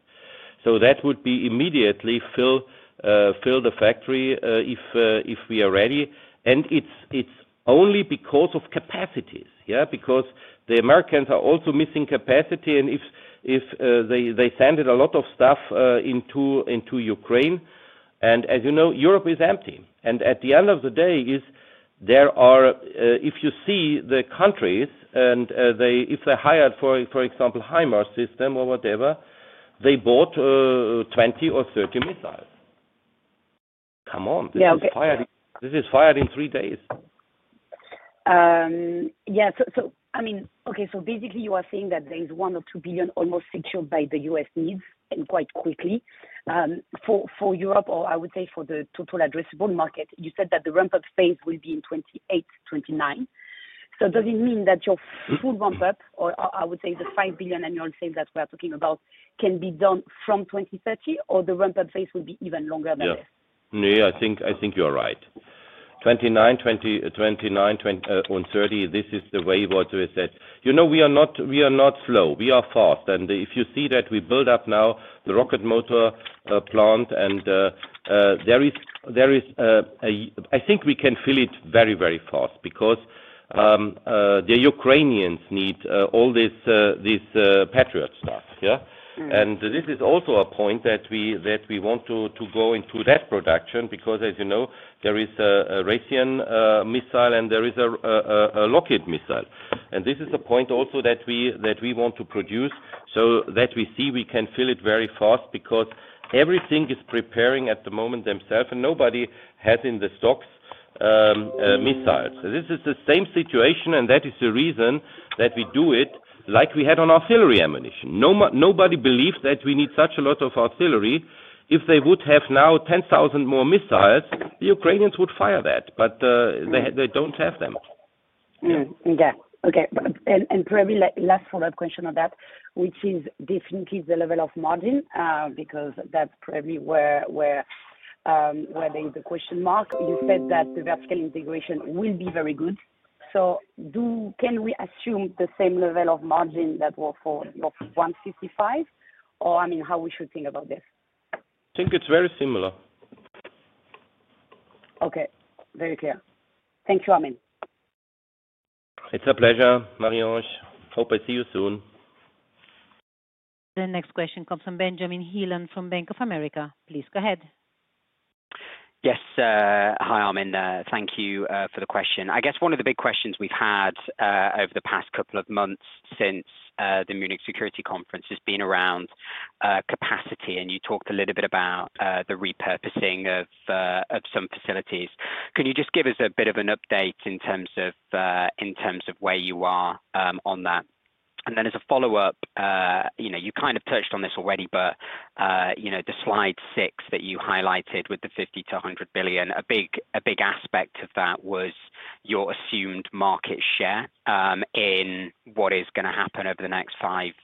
That would immediately fill the factory if we are ready. It is only because of capacities, yeah, because the Americans are also missing capacity. If they send a lot of stuff into Ukraine, and as you know, Europe is empty. At the end of the day, if you see the countries, and if they hired, for example, HIMARS system or whatever, they bought 20 or 30 missiles. Come on. This is fired in three days. Yeah. So I mean, okay, so basically you are saying that there is one or two billion almost secured by the U.S. needs and quite quickly. For Europe, or I would say for the total addressable market, you said that the ramp-up phase will be in 2028, 2029. Does it mean that your full ramp-up, or I would say the $5 billion annual sales that we are talking about, can be done from 2030, or the ramp-up phase will be even longer than this? Yeah. I think you're right. 29, 29, 20, or 30, this is the way what we said. We are not slow. We are fast. If you see that we build up now the rocket motor plant, I think we can fill it very, very fast because the Ukrainians need all this Patriot stuff. This is also a point that we want to go into that production because, as you know, there is a Russian missile and there is a Lockheed missile. This is a point also that we want to produce so that we see we can fill it very fast because everything is preparing at the moment themselves, and nobody has in the stocks missiles. This is the same situation, and that is the reason that we do it like we had on artillery ammunition. Nobody believes that we need such a lot of artillery. If they would have now 10,000 more missiles, the Ukrainians would fire that, but they don't have them. Yeah. Okay. Probably last follow-up question on that, which is definitely the level of margin because that's probably where there is a question mark. You said that the vertical integration will be very good. Can we assume the same level of margin that was for 155? Or, I mean, how should we think about this? I think it's very similar. Okay. Very clear. Thank you, Armin. It's a pleasure, Marie-Ange. Hope I see you soon. The next question comes from Benjamin Heelan from Bank of America. Please go ahead. Yes. Hi, Armin. Thank you for the question. I guess one of the big questions we've had over the past couple of months since the Munich Security Conference has been around capacity, and you talked a little bit about the repurposing of some facilities. Can you just give us a bit of an update in terms of where you are on that? As a follow-up, you kind of touched on this already, but the slide six that you highlighted with the 50-100 billion, a big aspect of that was your assumed market share in what is going to happen over the next five years+.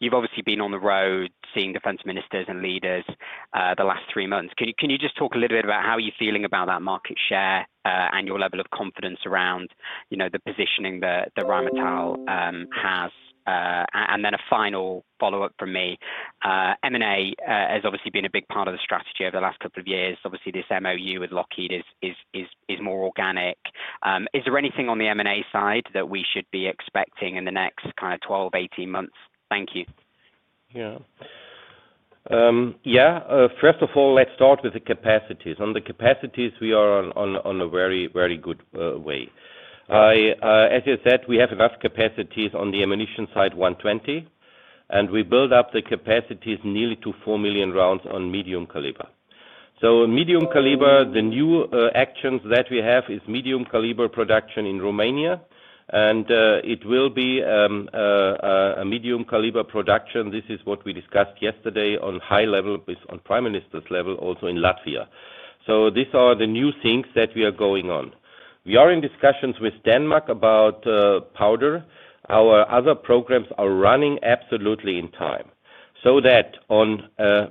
You've obviously been on the road seeing defense ministers and leaders the last three months. Can you just talk a little bit about how you're feeling about that market share and your level of confidence around the positioning that Rheinmetall has? A final follow-up from me. M&A has obviously been a big part of the strategy over the last couple of years. Obviously, this MOU with Lockheed is more organic. Is there anything on the M&A side that we should be expecting in the next kind of 12-18 months? Thank you. Yeah. Yeah. First of all, let's start with the capacities. On the capacities, we are on a very, very good way. As I said, we have enough capacities on the ammunition side, 120, and we build up the capacities nearly to 4 million rounds on medium caliber. Medium caliber, the new actions that we have is medium caliber production in Romania, and it will be a medium caliber production. This is what we discussed yesterday on high level on Prime Minister's level also in Latvia. These are the new things that we are going on. We are in discussions with Denmark about powder. Our other programs are running absolutely in time. In a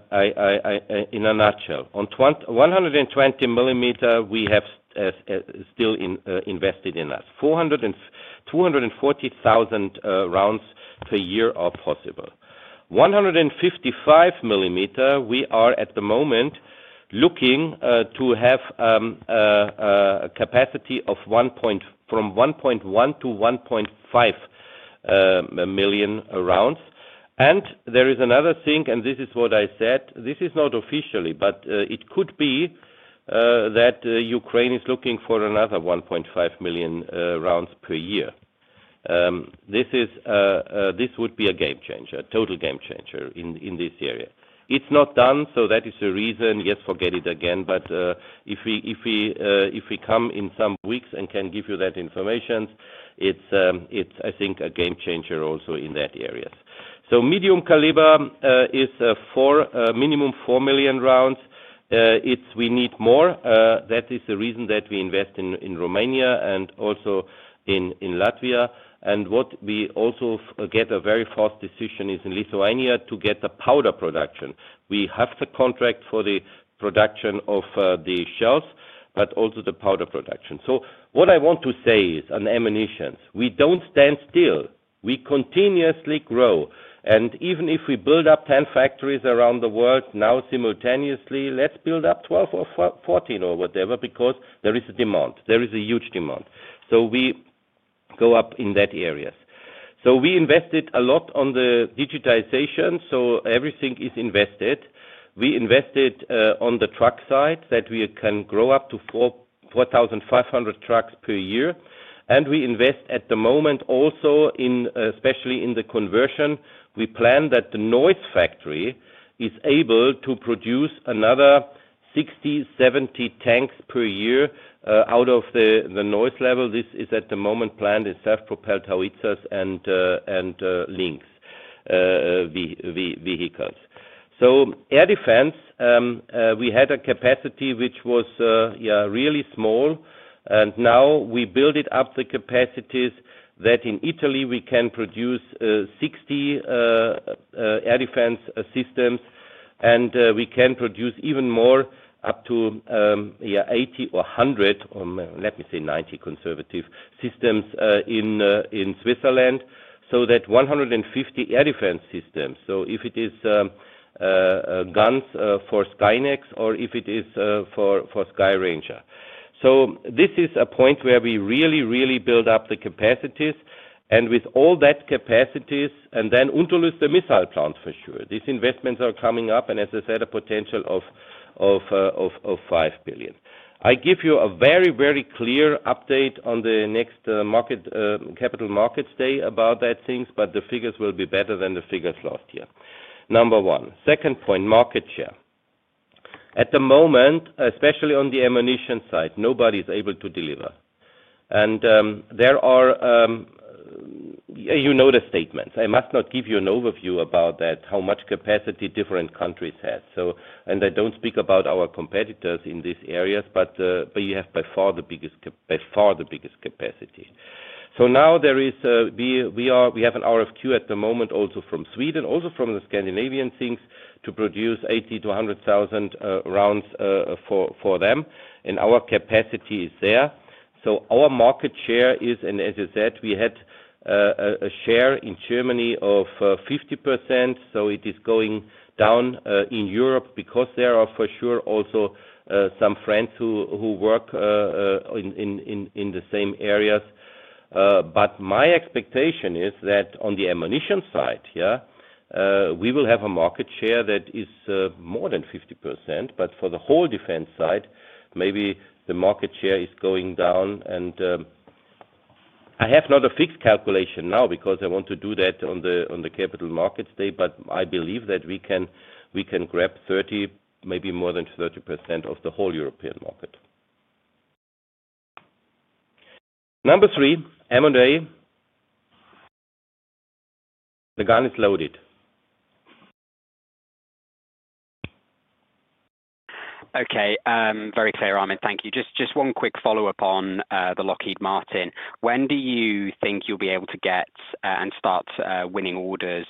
nutshell, on 120 mm, we have still invested in U.S. 240,000 rounds per year are possible. 155 mm, we are at the moment looking to have a capacity from 1.1-1.5 million rounds. There is another thing, and this is what I said. This is not officially, but it could be that Ukraine is looking for another 1.5 million rounds per year. This would be a game changer, a total game changer in this area. It's not done, that is the reason. Yes, forget it again. If we come in some weeks and can give you that information, it's, I think, a game changer also in that area. Medium caliber is minimum 4 million rounds. We need more. That is the reason that we invest in Romania and also in Latvia. What we also get a very fast decision is in Lithuania to get the powder production. We have the contract for the production of the shells, but also the powder production. What I want to say is on ammunitions, we do not stand still. We continuously grow. Even if we build up 10 factories around the world now simultaneously, let's build up 12 or 14 or whatever because there is a demand. There is a huge demand. We go up in that areas. We invested a lot on the digitization. Everything is invested. We invested on the truck side that we can grow up to 4,500 trucks per year. We invest at the moment also especially in the conversion. We plan that the Neuss factory is able to produce another 60-70 tanks per year out of the Neuss level. This is at the moment planned in self-propelled howitzers and Lynx vehicles. Air defense, we had a capacity which was really small. Now we build it up, the capacities that in Italy we can produce 60 air defense systems, and we can produce even more, up to 80 or 100, or let me say 90 conservative systems in Switzerland. That is 150 air defense systems. If it is guns for Skynex or if it is for Skyranger, this is a point where we really, really build up the capacities. With all that capacities, and then Unterlüß, the missile plant for sure. These investments are coming up. As I said, a potential of 5 billion. I give you a very, very clear update on the next capital markets day about that things, but the figures will be better than the figures last year. Number one. Second point, market share. At the moment, especially on the ammunition side, nobody is able to deliver. And there are, you know, the statements. I must not give you an overview about that, how much capacity different countries have. And I do not speak about our competitors in these areas, but we have by far the biggest capacity. Now there is, we have an RFQ at the moment also from Sweden, also from the Scandinavian things to produce 80,000-100,000 rounds for them. Our capacity is there. Our market share is, and as I said, we had a share in Germany of 50%. It is going down in Europe because there are for sure also some friends who work in the same areas. My expectation is that on the ammunition side, yeah, we will have a market share that is more than 50%. For the whole defense side, maybe the market share is going down. I have not a fixed calculation now because I want to do that on the capital markets day, but I believe that we can grab 30%, maybe more than 30% of the whole European market. Number three, M&A. The gun is loaded. Okay. Very clear, Armin. Thank you. Just one quick follow-up on the Lockheed Martin. When do you think you'll be able to get and start winning orders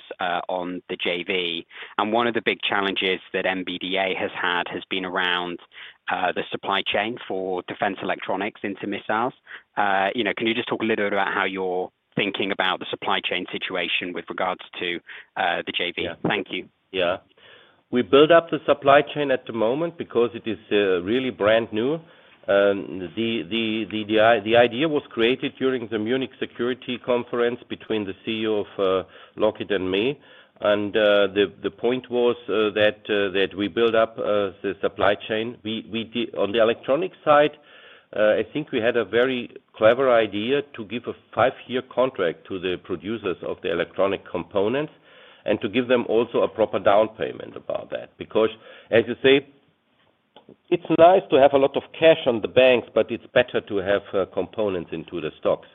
on the JV? One of the big challenges that MBDA has had has been around the supply chain for defense electronics into missiles. Can you just talk a little bit about how you're thinking about the supply chain situation with regards to the JV? Thank you. Yeah. We build up the supply chain at the moment because it is really brand new. The idea was created during the Munich Security Conference between the CEO of Lockheed and me. The point was that we build up the supply chain. On the electronic side, I think we had a very clever idea to give a five-year contract to the producers of the electronic components and to give them also a proper down payment about that. Because, as you say, it's nice to have a lot of cash on the banks, but it's better to have components into the stocks.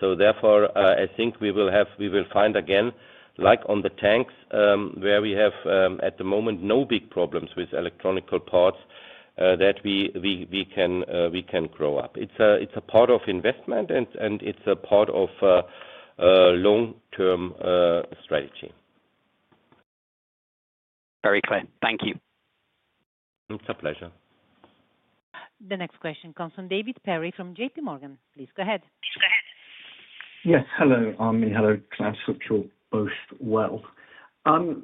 Therefore, I think we will find again, like on the tanks, where we have at the moment no big problems with electronic parts, that we can grow up. It's a part of investment, and it's a part of a long-term strategy. Very clear. Thank you. It's a pleasure. The next question comes from David Perry from JPMorgan. Please go ahead. Yes. Hello, Armin. Hello. Glad to hope you're both well. I've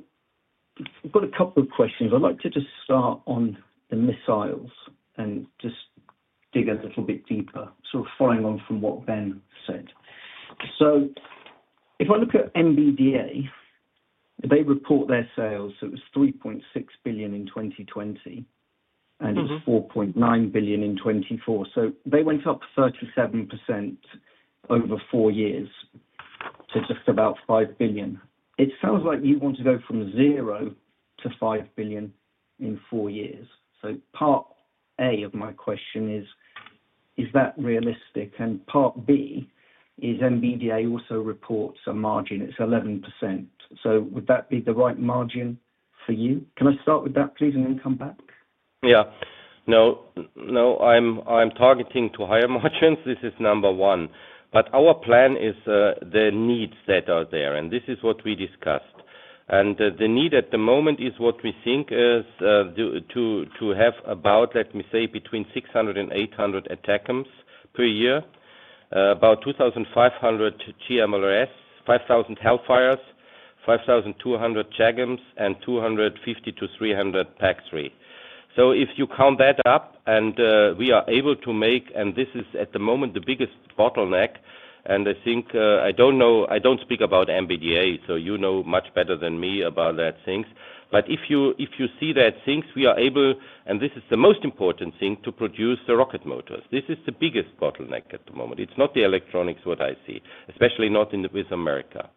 got a couple of questions. I'd like to just start on the missiles and just dig a little bit deeper, sort of following on from what Ben said. If I look at MBDA, they report their sales. It was 3.6 billion in 2020, and it was 4.9 billion in 2024. They went up 37% over four years to just about 5 billion. It sounds like you want to go from zero to 5 billion in four years. Part A of my question is, is that realistic? Part B is MBDA also reports a margin. It's 11%. Would that be the right margin for you? Can I start with that, please, and then come back? Yeah. No, no. I'm targeting to higher margins. This is number one. Our plan is the needs that are there. This is what we discussed. The need at the moment is what we think is to have about, let me say, between 600 and 800 ATACMS per year, about 2,500 GMLRS, 5,000 Hellfiress, 5,200 JAGMs, and 250-300 PAC-3. If you count that up and we are able to make, and this is at the moment the biggest bottleneck. I think I don't speak about MBDA, so you know much better than me about that things. If you see that things, we are able, and this is the most important thing, to produce the rocket motors. This is the biggest bottleneck at the moment. It's not the electronics what I see, especially not with America.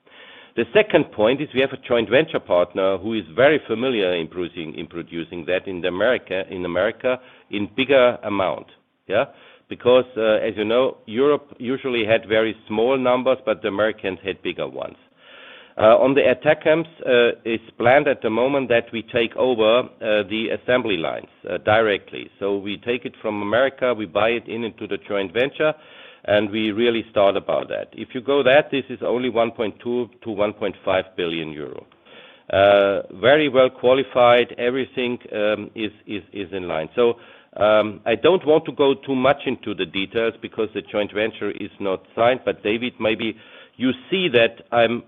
The second point is we have a joint venture partner who is very familiar in producing that in America in bigger amount. Yeah? Because, as you know, Europe usually had very small numbers, but the Americans had bigger ones. On the ATACMS, it's planned at the moment that we take over the assembly lines directly. So we take it from America, we buy it into the joint venture, and we really start about that. If you go that, this is only 1.2 billion-1.5 billion euro. Very well qualified. Everything is in line. I don't want to go too much into the details because the joint venture is not signed. David, maybe you see that I'm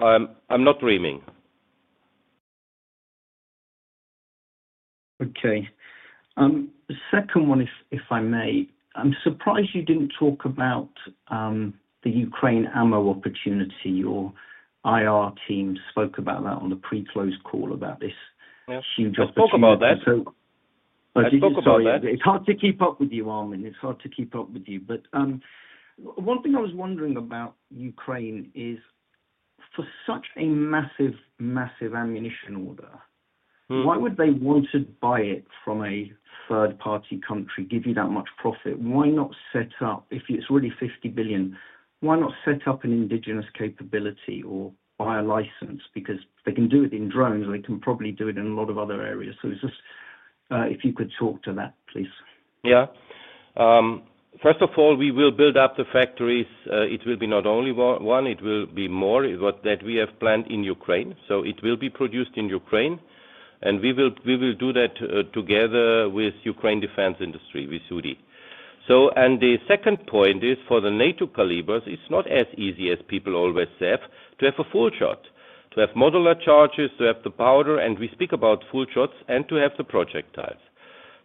not dreaming. Okay. Second one, if I may, I'm surprised you didn't talk about the Ukraine ammo opportunity. Your IR team spoke about that on the pre-closed call about this huge opportunity. I spoke about that. It's hard to keep up with you, Armin. It's hard to keep up with you. One thing I was wondering about Ukraine is, for such a massive, massive ammunition order, why would they want to buy it from a third-party country, give you that much profit? Why not set up, if it's really $50 billion, why not set up an indigenous capability or buy a license? Because they can do it in drones. They can probably do it in a lot of other areas. If you could talk to that, please. Yeah. First of all, we will build up the factories. It will be not only one. It will be more that we have planned in Ukraine. It will be produced in Ukraine. We will do that together with Ukraine Defense Industry, with SUDI. The second point is for the NATO calibers, it's not as easy as people always have to have a full shot, to have modular charges, to have the powder, and we speak about full shots, and to have the projectiles.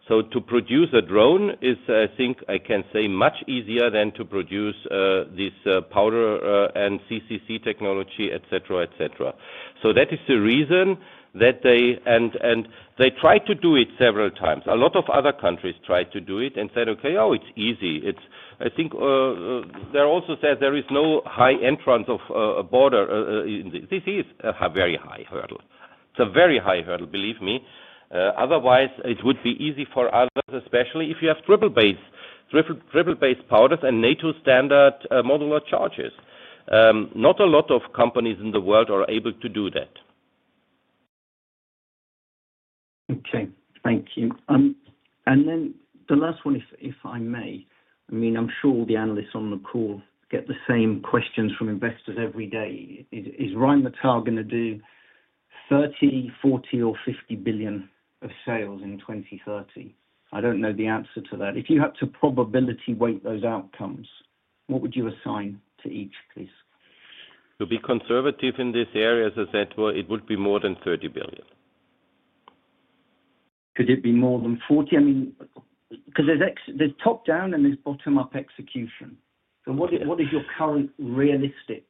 To produce a drone is, I think I can say, much easier than to produce this powder and CCC technology, etc., etc. That is the reason that they tried to do it several times. A lot of other countries tried to do it and said, "Okay, oh, it's easy." I think they also said there is no high entrance of a border. This is a very high hurdle. It's a very high hurdle, believe me. Otherwise, it would be easy for others, especially if you have triple-based powders and NATO-standard modular charges. Not a lot of companies in the world are able to do that. Okay. Thank you. And then the last one, if I may, I mean, I'm sure the analysts on the call get the same questions from investors every day. Is Rheinmetall going to do 30 billion, 40 billion, or 50 billion of sales in 2030? I don't know the answer to that. If you had to probability-weight those outcomes, what would you assign to each, please? To be conservative in this area, as I said, it would be more than 30 billion. Could it be more than 40? I mean, because there's top-down and there's bottom-up execution. What is your current realistic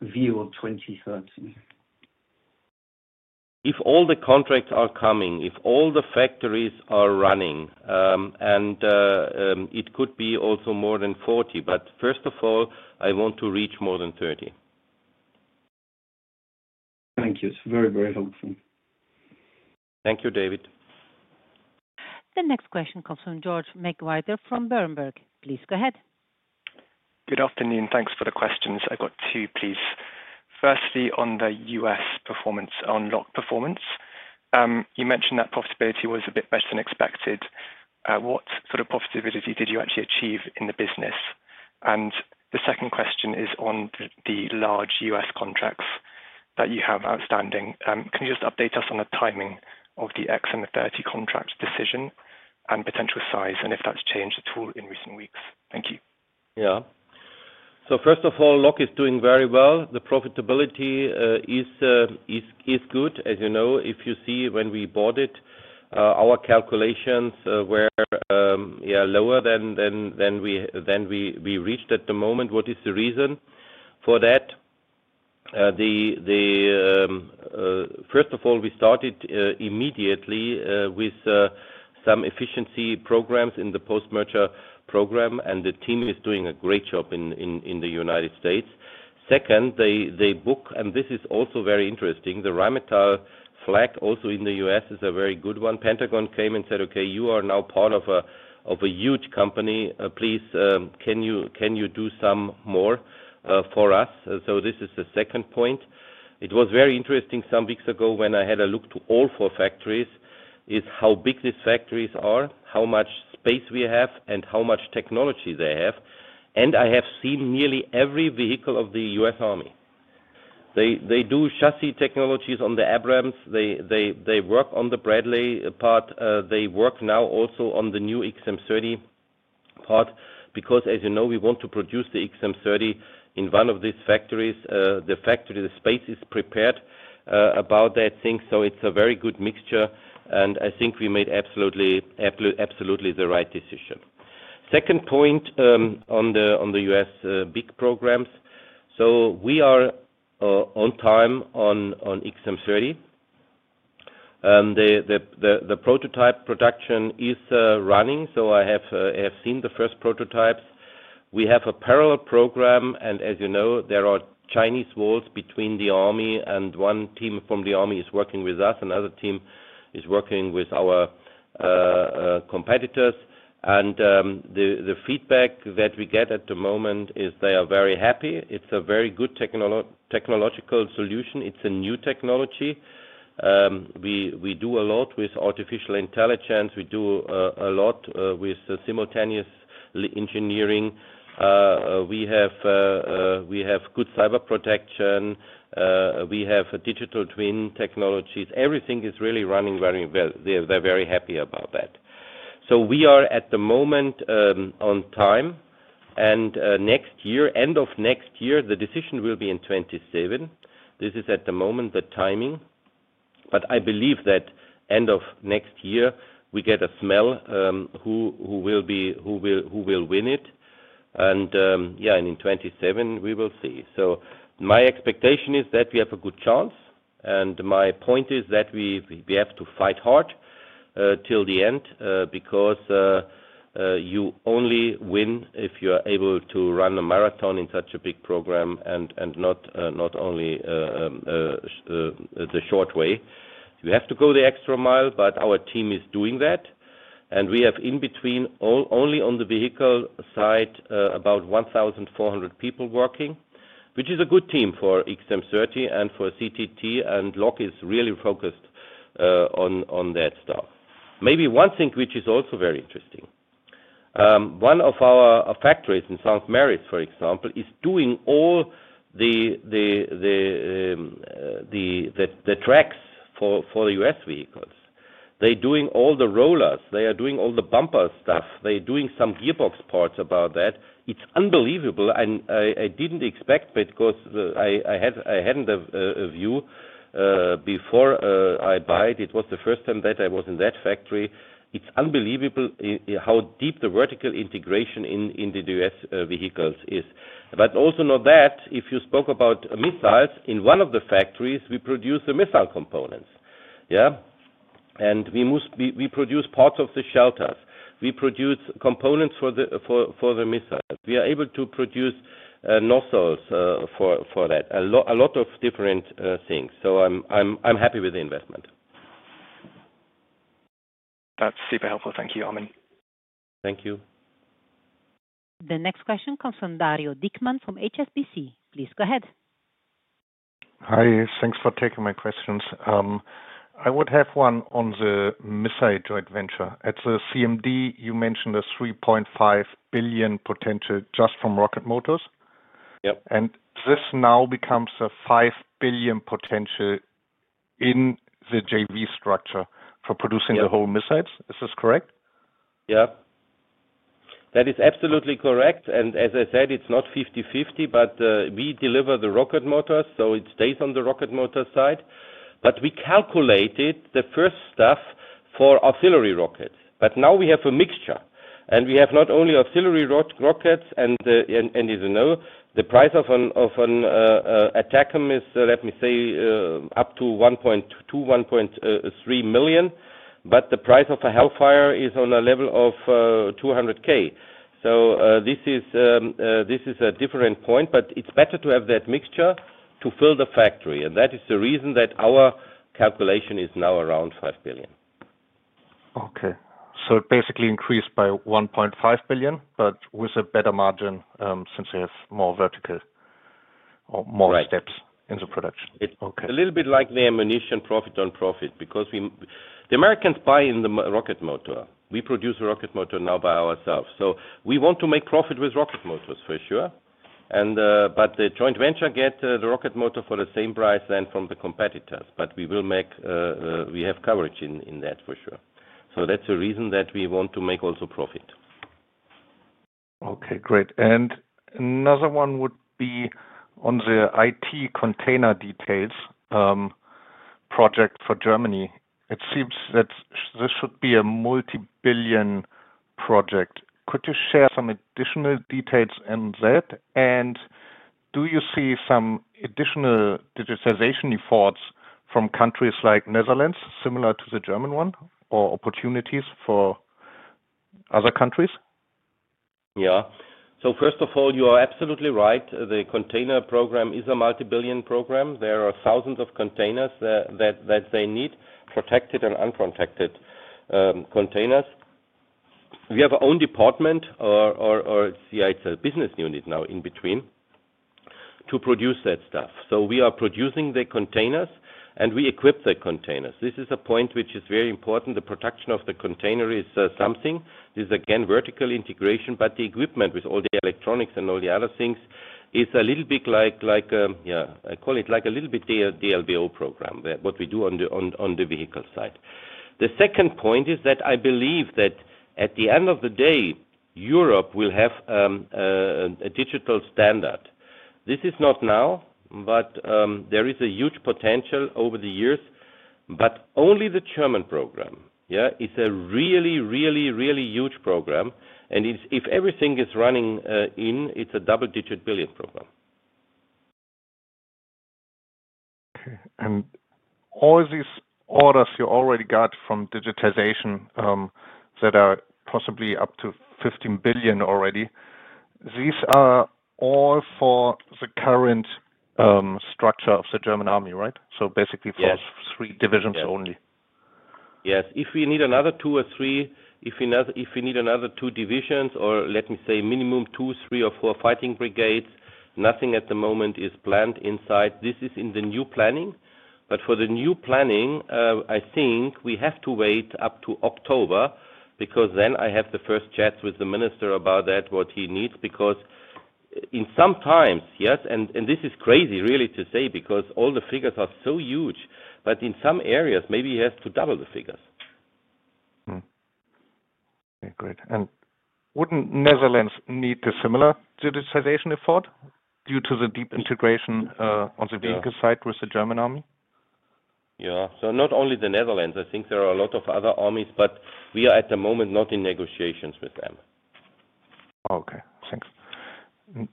view of 2030? If all the contracts are coming, if all the factories are running, it could be also more than 40. First of all, I want to reach more than 30. Thank you. It's very, very helpful. Thank you, David. The next question comes from George McWhirter from Berenberg. Please go ahead. Good afternoon. Thanks for the questions. I've got two, please. Firstly, on the U.S. performance, on locked performance. You mentioned that profitability was a bit better than expected. What sort of profitability did you actually achieve in the business? The second question is on the large U.S. contracts that you have outstanding. Can you just update us on the timing of the XM30 contract decision and potential size and if that's changed at all in recent weeks? Thank you. Yeah. First of all, Lock is doing very well. The profitability is good, as you know. If you see when we bought it, our calculations were lower than we reached at the moment. What is the reason for that? First of all, we started immediately with some efficiency programs in the post-merger program, and the team is doing a great job in the U.S. Second, they book, and this is also very interesting. The Rheinmetall flag also in the U.S. is a very good one. Pentagon came and said, "Okay, you are now part of a huge company. Please, can you do some more for us?" This is the second point. It was very interesting some weeks ago when I had a look to all four factories is how big these factories are, how much space we have, and how much technology they have. I have seen nearly every vehicle of the U.S. Army. They do chassis technologies on the Abrams. They work on the Bradley part. They work now also on the new XM30 part because, as you know, we want to produce the XM30 in one of these factories. The factory, the space is prepared about that thing. It is a very good mixture. I think we made absolutely the right decision. Second point on the U.S. big programs. We are on time on XM30. The prototype production is running. I have seen the first prototypes. We have a parallel program. As you know, there are Chinese walls between the army, and one team from the army is working with us. Another team is working with our competitors. The feedback that we get at the moment is they are very happy. It's a very good technological solution. It's a new technology. We do a lot with artificial intelligence. We do a lot with simultaneous engineering. We have good cyber protection. We have digital twin technologies. Everything is really running very well. They're very happy about that. We are at the moment on time. Next year, end of next year, the decision will be in 2027. This is at the moment the timing. I believe that end of next year, we get a smell who will win it. Yeah, and in 2027, we will see. My expectation is that we have a good chance. My point is that we have to fight hard till the end because you only win if you are able to run a marathon in such a big program and not only the short way. You have to go the extra mile, but our team is doing that. We have in between only on the vehicle side about 1,400 people working, which is a good team for XM30 and for CTT. Lock is really focused on that stuff. Maybe one thing which is also very interesting. One of our factories in St. Mary's, for example, is doing all the tracks for the U.S. vehicles. They are doing all the rollers. They are doing all the bumper stuff. They are doing some gearbox parts about that. It is unbelievable. I did not expect because I had not a view before I buy it. It was the first time that I was in that factory. It is unbelievable how deep the vertical integration in the U.S. vehicles is. Also, not only that, if you spoke about missiles, in one of the factories, we produce the missile components. Yeah? We produce parts of the shelters. We produce components for the missiles. We are able to produce nozzles for that. A lot of different things. I am happy with the investment. That's super helpful. Thank you, Armin. Thank you. The next question comes from Dario Dickmann from HSBC. Please go ahead. Hi. Thanks for taking my questions. I would have one on the missile joint venture. At the CMD, you mentioned a 3.5 billion potential just from rocket motors. And this now becomes a 5 billion potential in the JV structure for producing the whole missiles. Is this correct? Yeah. That is absolutely correct. As I said, it is not 50/50, but we deliver the rocket motors, so it stays on the rocket motor side. We calculated the first stuff for auxiliary rockets. Now we have a mixture. We have not only auxiliary rockets. As you know, the price of an ATACMS, let me say, up to 1.2 million-1.3 million. The price of a Hellfire is on a level of 200,000. This is a different point, but it is better to have that mixture to fill the factory. That is the reason that our calculation is now around 5 billion. Okay. It basically increased by 1.5 billion, but with a better margin since we have more vertical or more steps in the production. A little bit like the ammunition profit on profit because the Americans buy in the rocket motor. We produce the rocket motor now by ourselves. We want to make profit with rocket motors, for sure. The joint venture gets the rocket motor for the same price than from the competitors. We will make, we have coverage in that, for sure. That is the reason that we want to make also profit. Okay. Great. Another one would be on the IT container details project for Germany. It seems that this should be a multi-billion project. Could you share some additional details on that? Do you see some additional digitization efforts from countries like Netherlands, similar to the German one, or opportunities for other countries? Yeah. First of all, you are absolutely right. The container program is a multi-billion program. There are thousands of containers that they need, protected and unprotected containers. We have our own department, or it is a business unit now in between, to produce that stuff. We are producing the containers, and we equip the containers. This is a point which is very important. The production of the container is something. This is, again, vertical integration. The equipment with all the electronics and all the other things is a little bit like, yeah, I call it like a little bit D-LBO program, what we do on the vehicle side. The second point is that I believe that at the end of the day, Europe will have a digital standard. This is not now, but there is a huge potential over the years. Only the German program, yeah, is a really, really, really huge program. If everything is running in, it's a double-digit billion program. Okay. All these orders you already got from digitization that are possibly up to 15 billion already, these are all for the current structure of the German army, right? Basically for three divisions only. Yes. If we need another two or three, if we need another two divisions, or let me say minimum two, three, or four fighting brigades, nothing at the moment is planned inside. This is in the new planning. For the new planning, I think we have to wait up to October because then I have the first chats with the minister about that, what he needs, because in some times, yes, and this is crazy, really, to say because all the figures are so huge. In some areas, maybe he has to double the figures. Okay. Great. Wouldn't Netherlands need a similar digitization effort due to the deep integration on the vehicle side with the German army? Yeah. Not only the Netherlands. I think there are a lot of other armies, but we are at the moment not in negotiations with them. Okay. Thanks.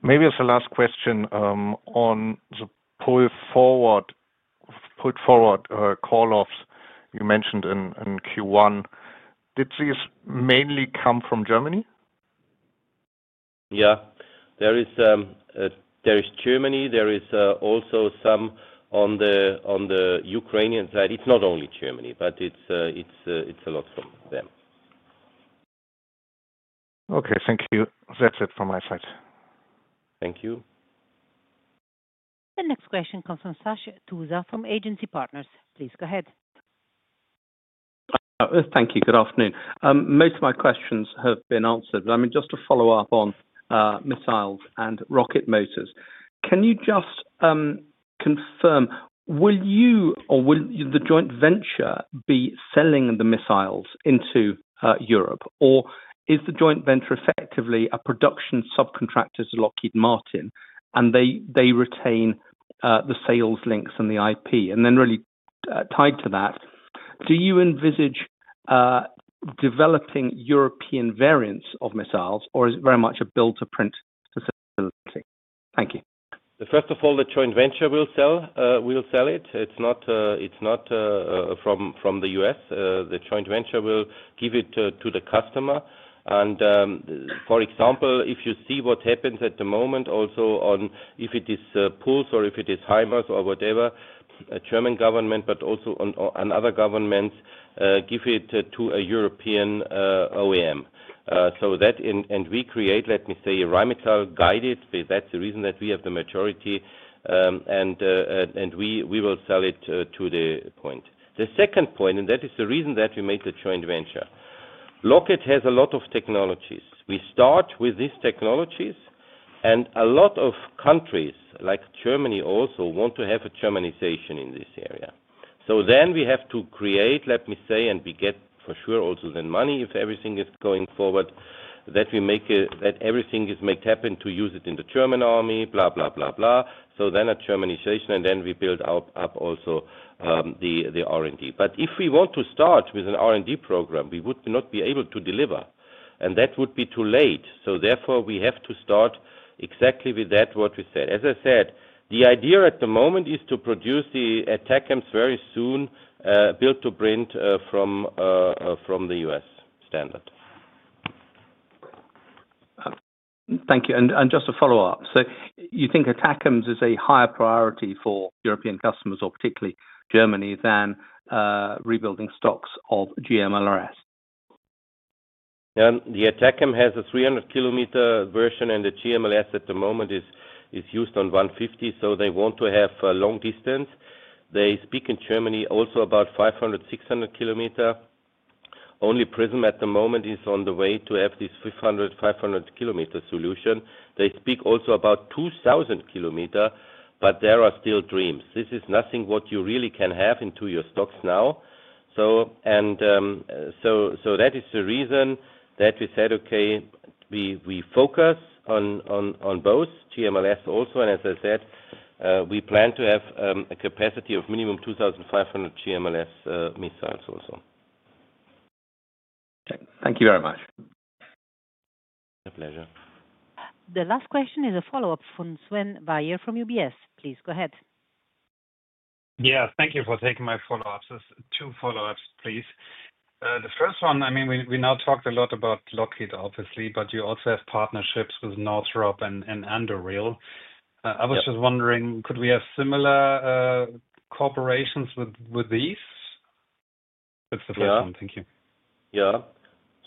Maybe as a last question on the pull-forward call-offs you mentioned in Q1, did these mainly come from Germany? Yeah. There is Germany. There is also some on the Ukrainian side. It's not only Germany, but it's a lot from them. Okay. Thank you. That's it from my side. Thank you. The next question comes from Sash Tusa from Agency Partners. Please go ahead. Thank you. Good afternoon. Most of my questions have been answered. I mean, just to follow up on missiles and rocket motors, can you just confirm, will you or will the joint venture be selling the missiles into Europe, or is the joint venture effectively a production subcontractor to Lockheed Martin, and they retain the sales links and the IP? Then really tied to that, do you envisage developing European variants of missiles, or is it very much a build-to-print facility? Thank you. First of all, the joint venture will sell it. It's not from the U.S. The joint venture will give it to the customer. For example, if you see what happens at the moment, also if it is PULS or if it is HIMARS or whatever, German government, but also other governments, give it to a European OEM. That, and we create, let me say, a Rheinmetall guided. That's the reason that we have the majority. We will sell it to the point. The second point, and that is the reason that we made the joint venture, Lockheed has a lot of technologies. We start with these technologies, and a lot of countries, like Germany also, want to have a Germanization in this area. Then we have to create, let me say, and we get for sure also then money if everything is going forward, that everything is made happen to use it in the German army, blah, blah, blah, blah. Then a Germanization, and then we build up also the R&D. If we want to start with an R&D program, we would not be able to deliver. That would be too late. Therefore, we have to start exactly with that, what we said. As I said, the idea at the moment is to produce the ATACMS very soon, build-to-print from the U.S. standard. Thank you. Just to follow up, do you think ATACMS is a higher priority for European customers, or particularly Germany, than rebuilding stocks of GMLRS? Yeah. The ATACMS has a 300 km version, and the GMLRS at the moment is used on 150. They want to have long distance. They speak in Germany also about 500, 600 km. Only Prism at the moment is on the way to have this 500, 500 kmr solution. They speak also about 2,000 km, but there are still dreams. This is nothing what you really can have into your stocks now. That is the reason that we said, "Okay, we focus on both GMLRS also." As I said, we plan to have a capacity of minimum 2,500 GMLRS missiles also. Thank you very much. My pleasure. The last question is a follow-up from Sven Weier from UBS. Please go ahead. Yeah. Thank you for taking my follow-ups. Two follow-ups, please. The first one, I mean, we now talked a lot about Lockheed, obviously, but you also have partnerships with Northrop and Anduril. I was just wondering, could we have similar cooperations with these? That's the first one. Thank you. Yeah.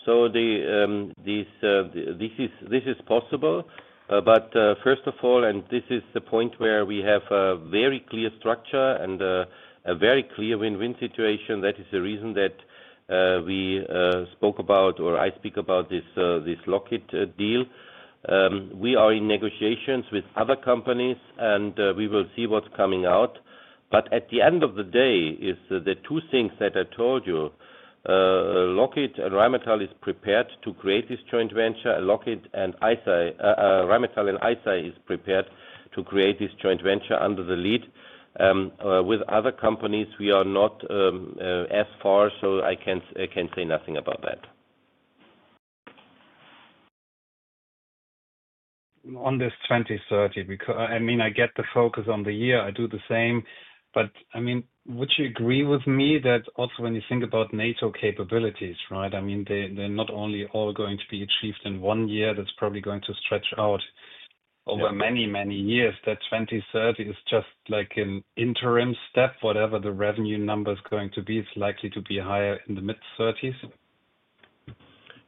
This is possible. First of all, this is the point where we have a very clear structure and a very clear win-win situation. That is the reason that we spoke about, or I speak about this Lockheed deal. We are in negotiations with other companies, and we will see what's coming out. At the end of the day, the two things that I told you, Lockheed and Rheinmetall is prepared to create this joint venture. Lockheed and Rheinmetall and ICEYE is prepared to create this joint venture under the lead. With other companies, we are not as far, so I can say nothing about that. On this 2030, I mean, I get the focus on the year. I do the same. I mean, would you agree with me that also when you think about NATO capabilities, right? I mean, they're not only all going to be achieved in one year. That's probably going to stretch out over many, many years. That 2030 is just like an interim step. Whatever the revenue number is going to be, it's likely to be higher in the mid-30s.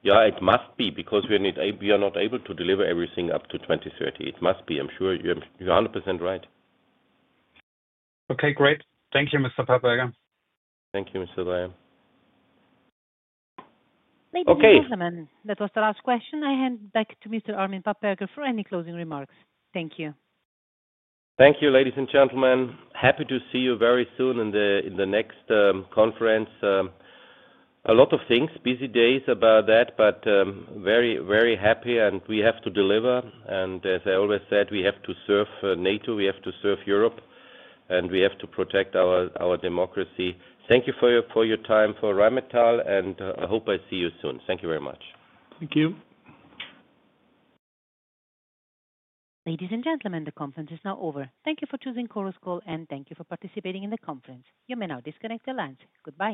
Yeah, it must be because we are not able to deliver everything up to 2030. It must be. I'm sure you're 100% right. Okay. Great. Thank you, Mr. Papperger. Thank you, Mr. Weier. Ladies and gentlemen, that was the last question. I hand back to Mr. Armin Papperger for any closing remarks. Thank you. Thank you, ladies and gentlemen. Happy to see you very soon in the next conference. A lot of things, busy days about that, but very, very happy. We have to deliver. As I always said, we have to serve NATO. We have to serve Europe. We have to protect our democracy. Thank you for your time for Rheinmetall. I hope I see you soon. Thank you very much. Thank you. Ladies and gentlemen, the conference is now over. Thank you for choosing Chorus Call, and thank you for participating in the conference. You may now disconnect your lines. Goodbye.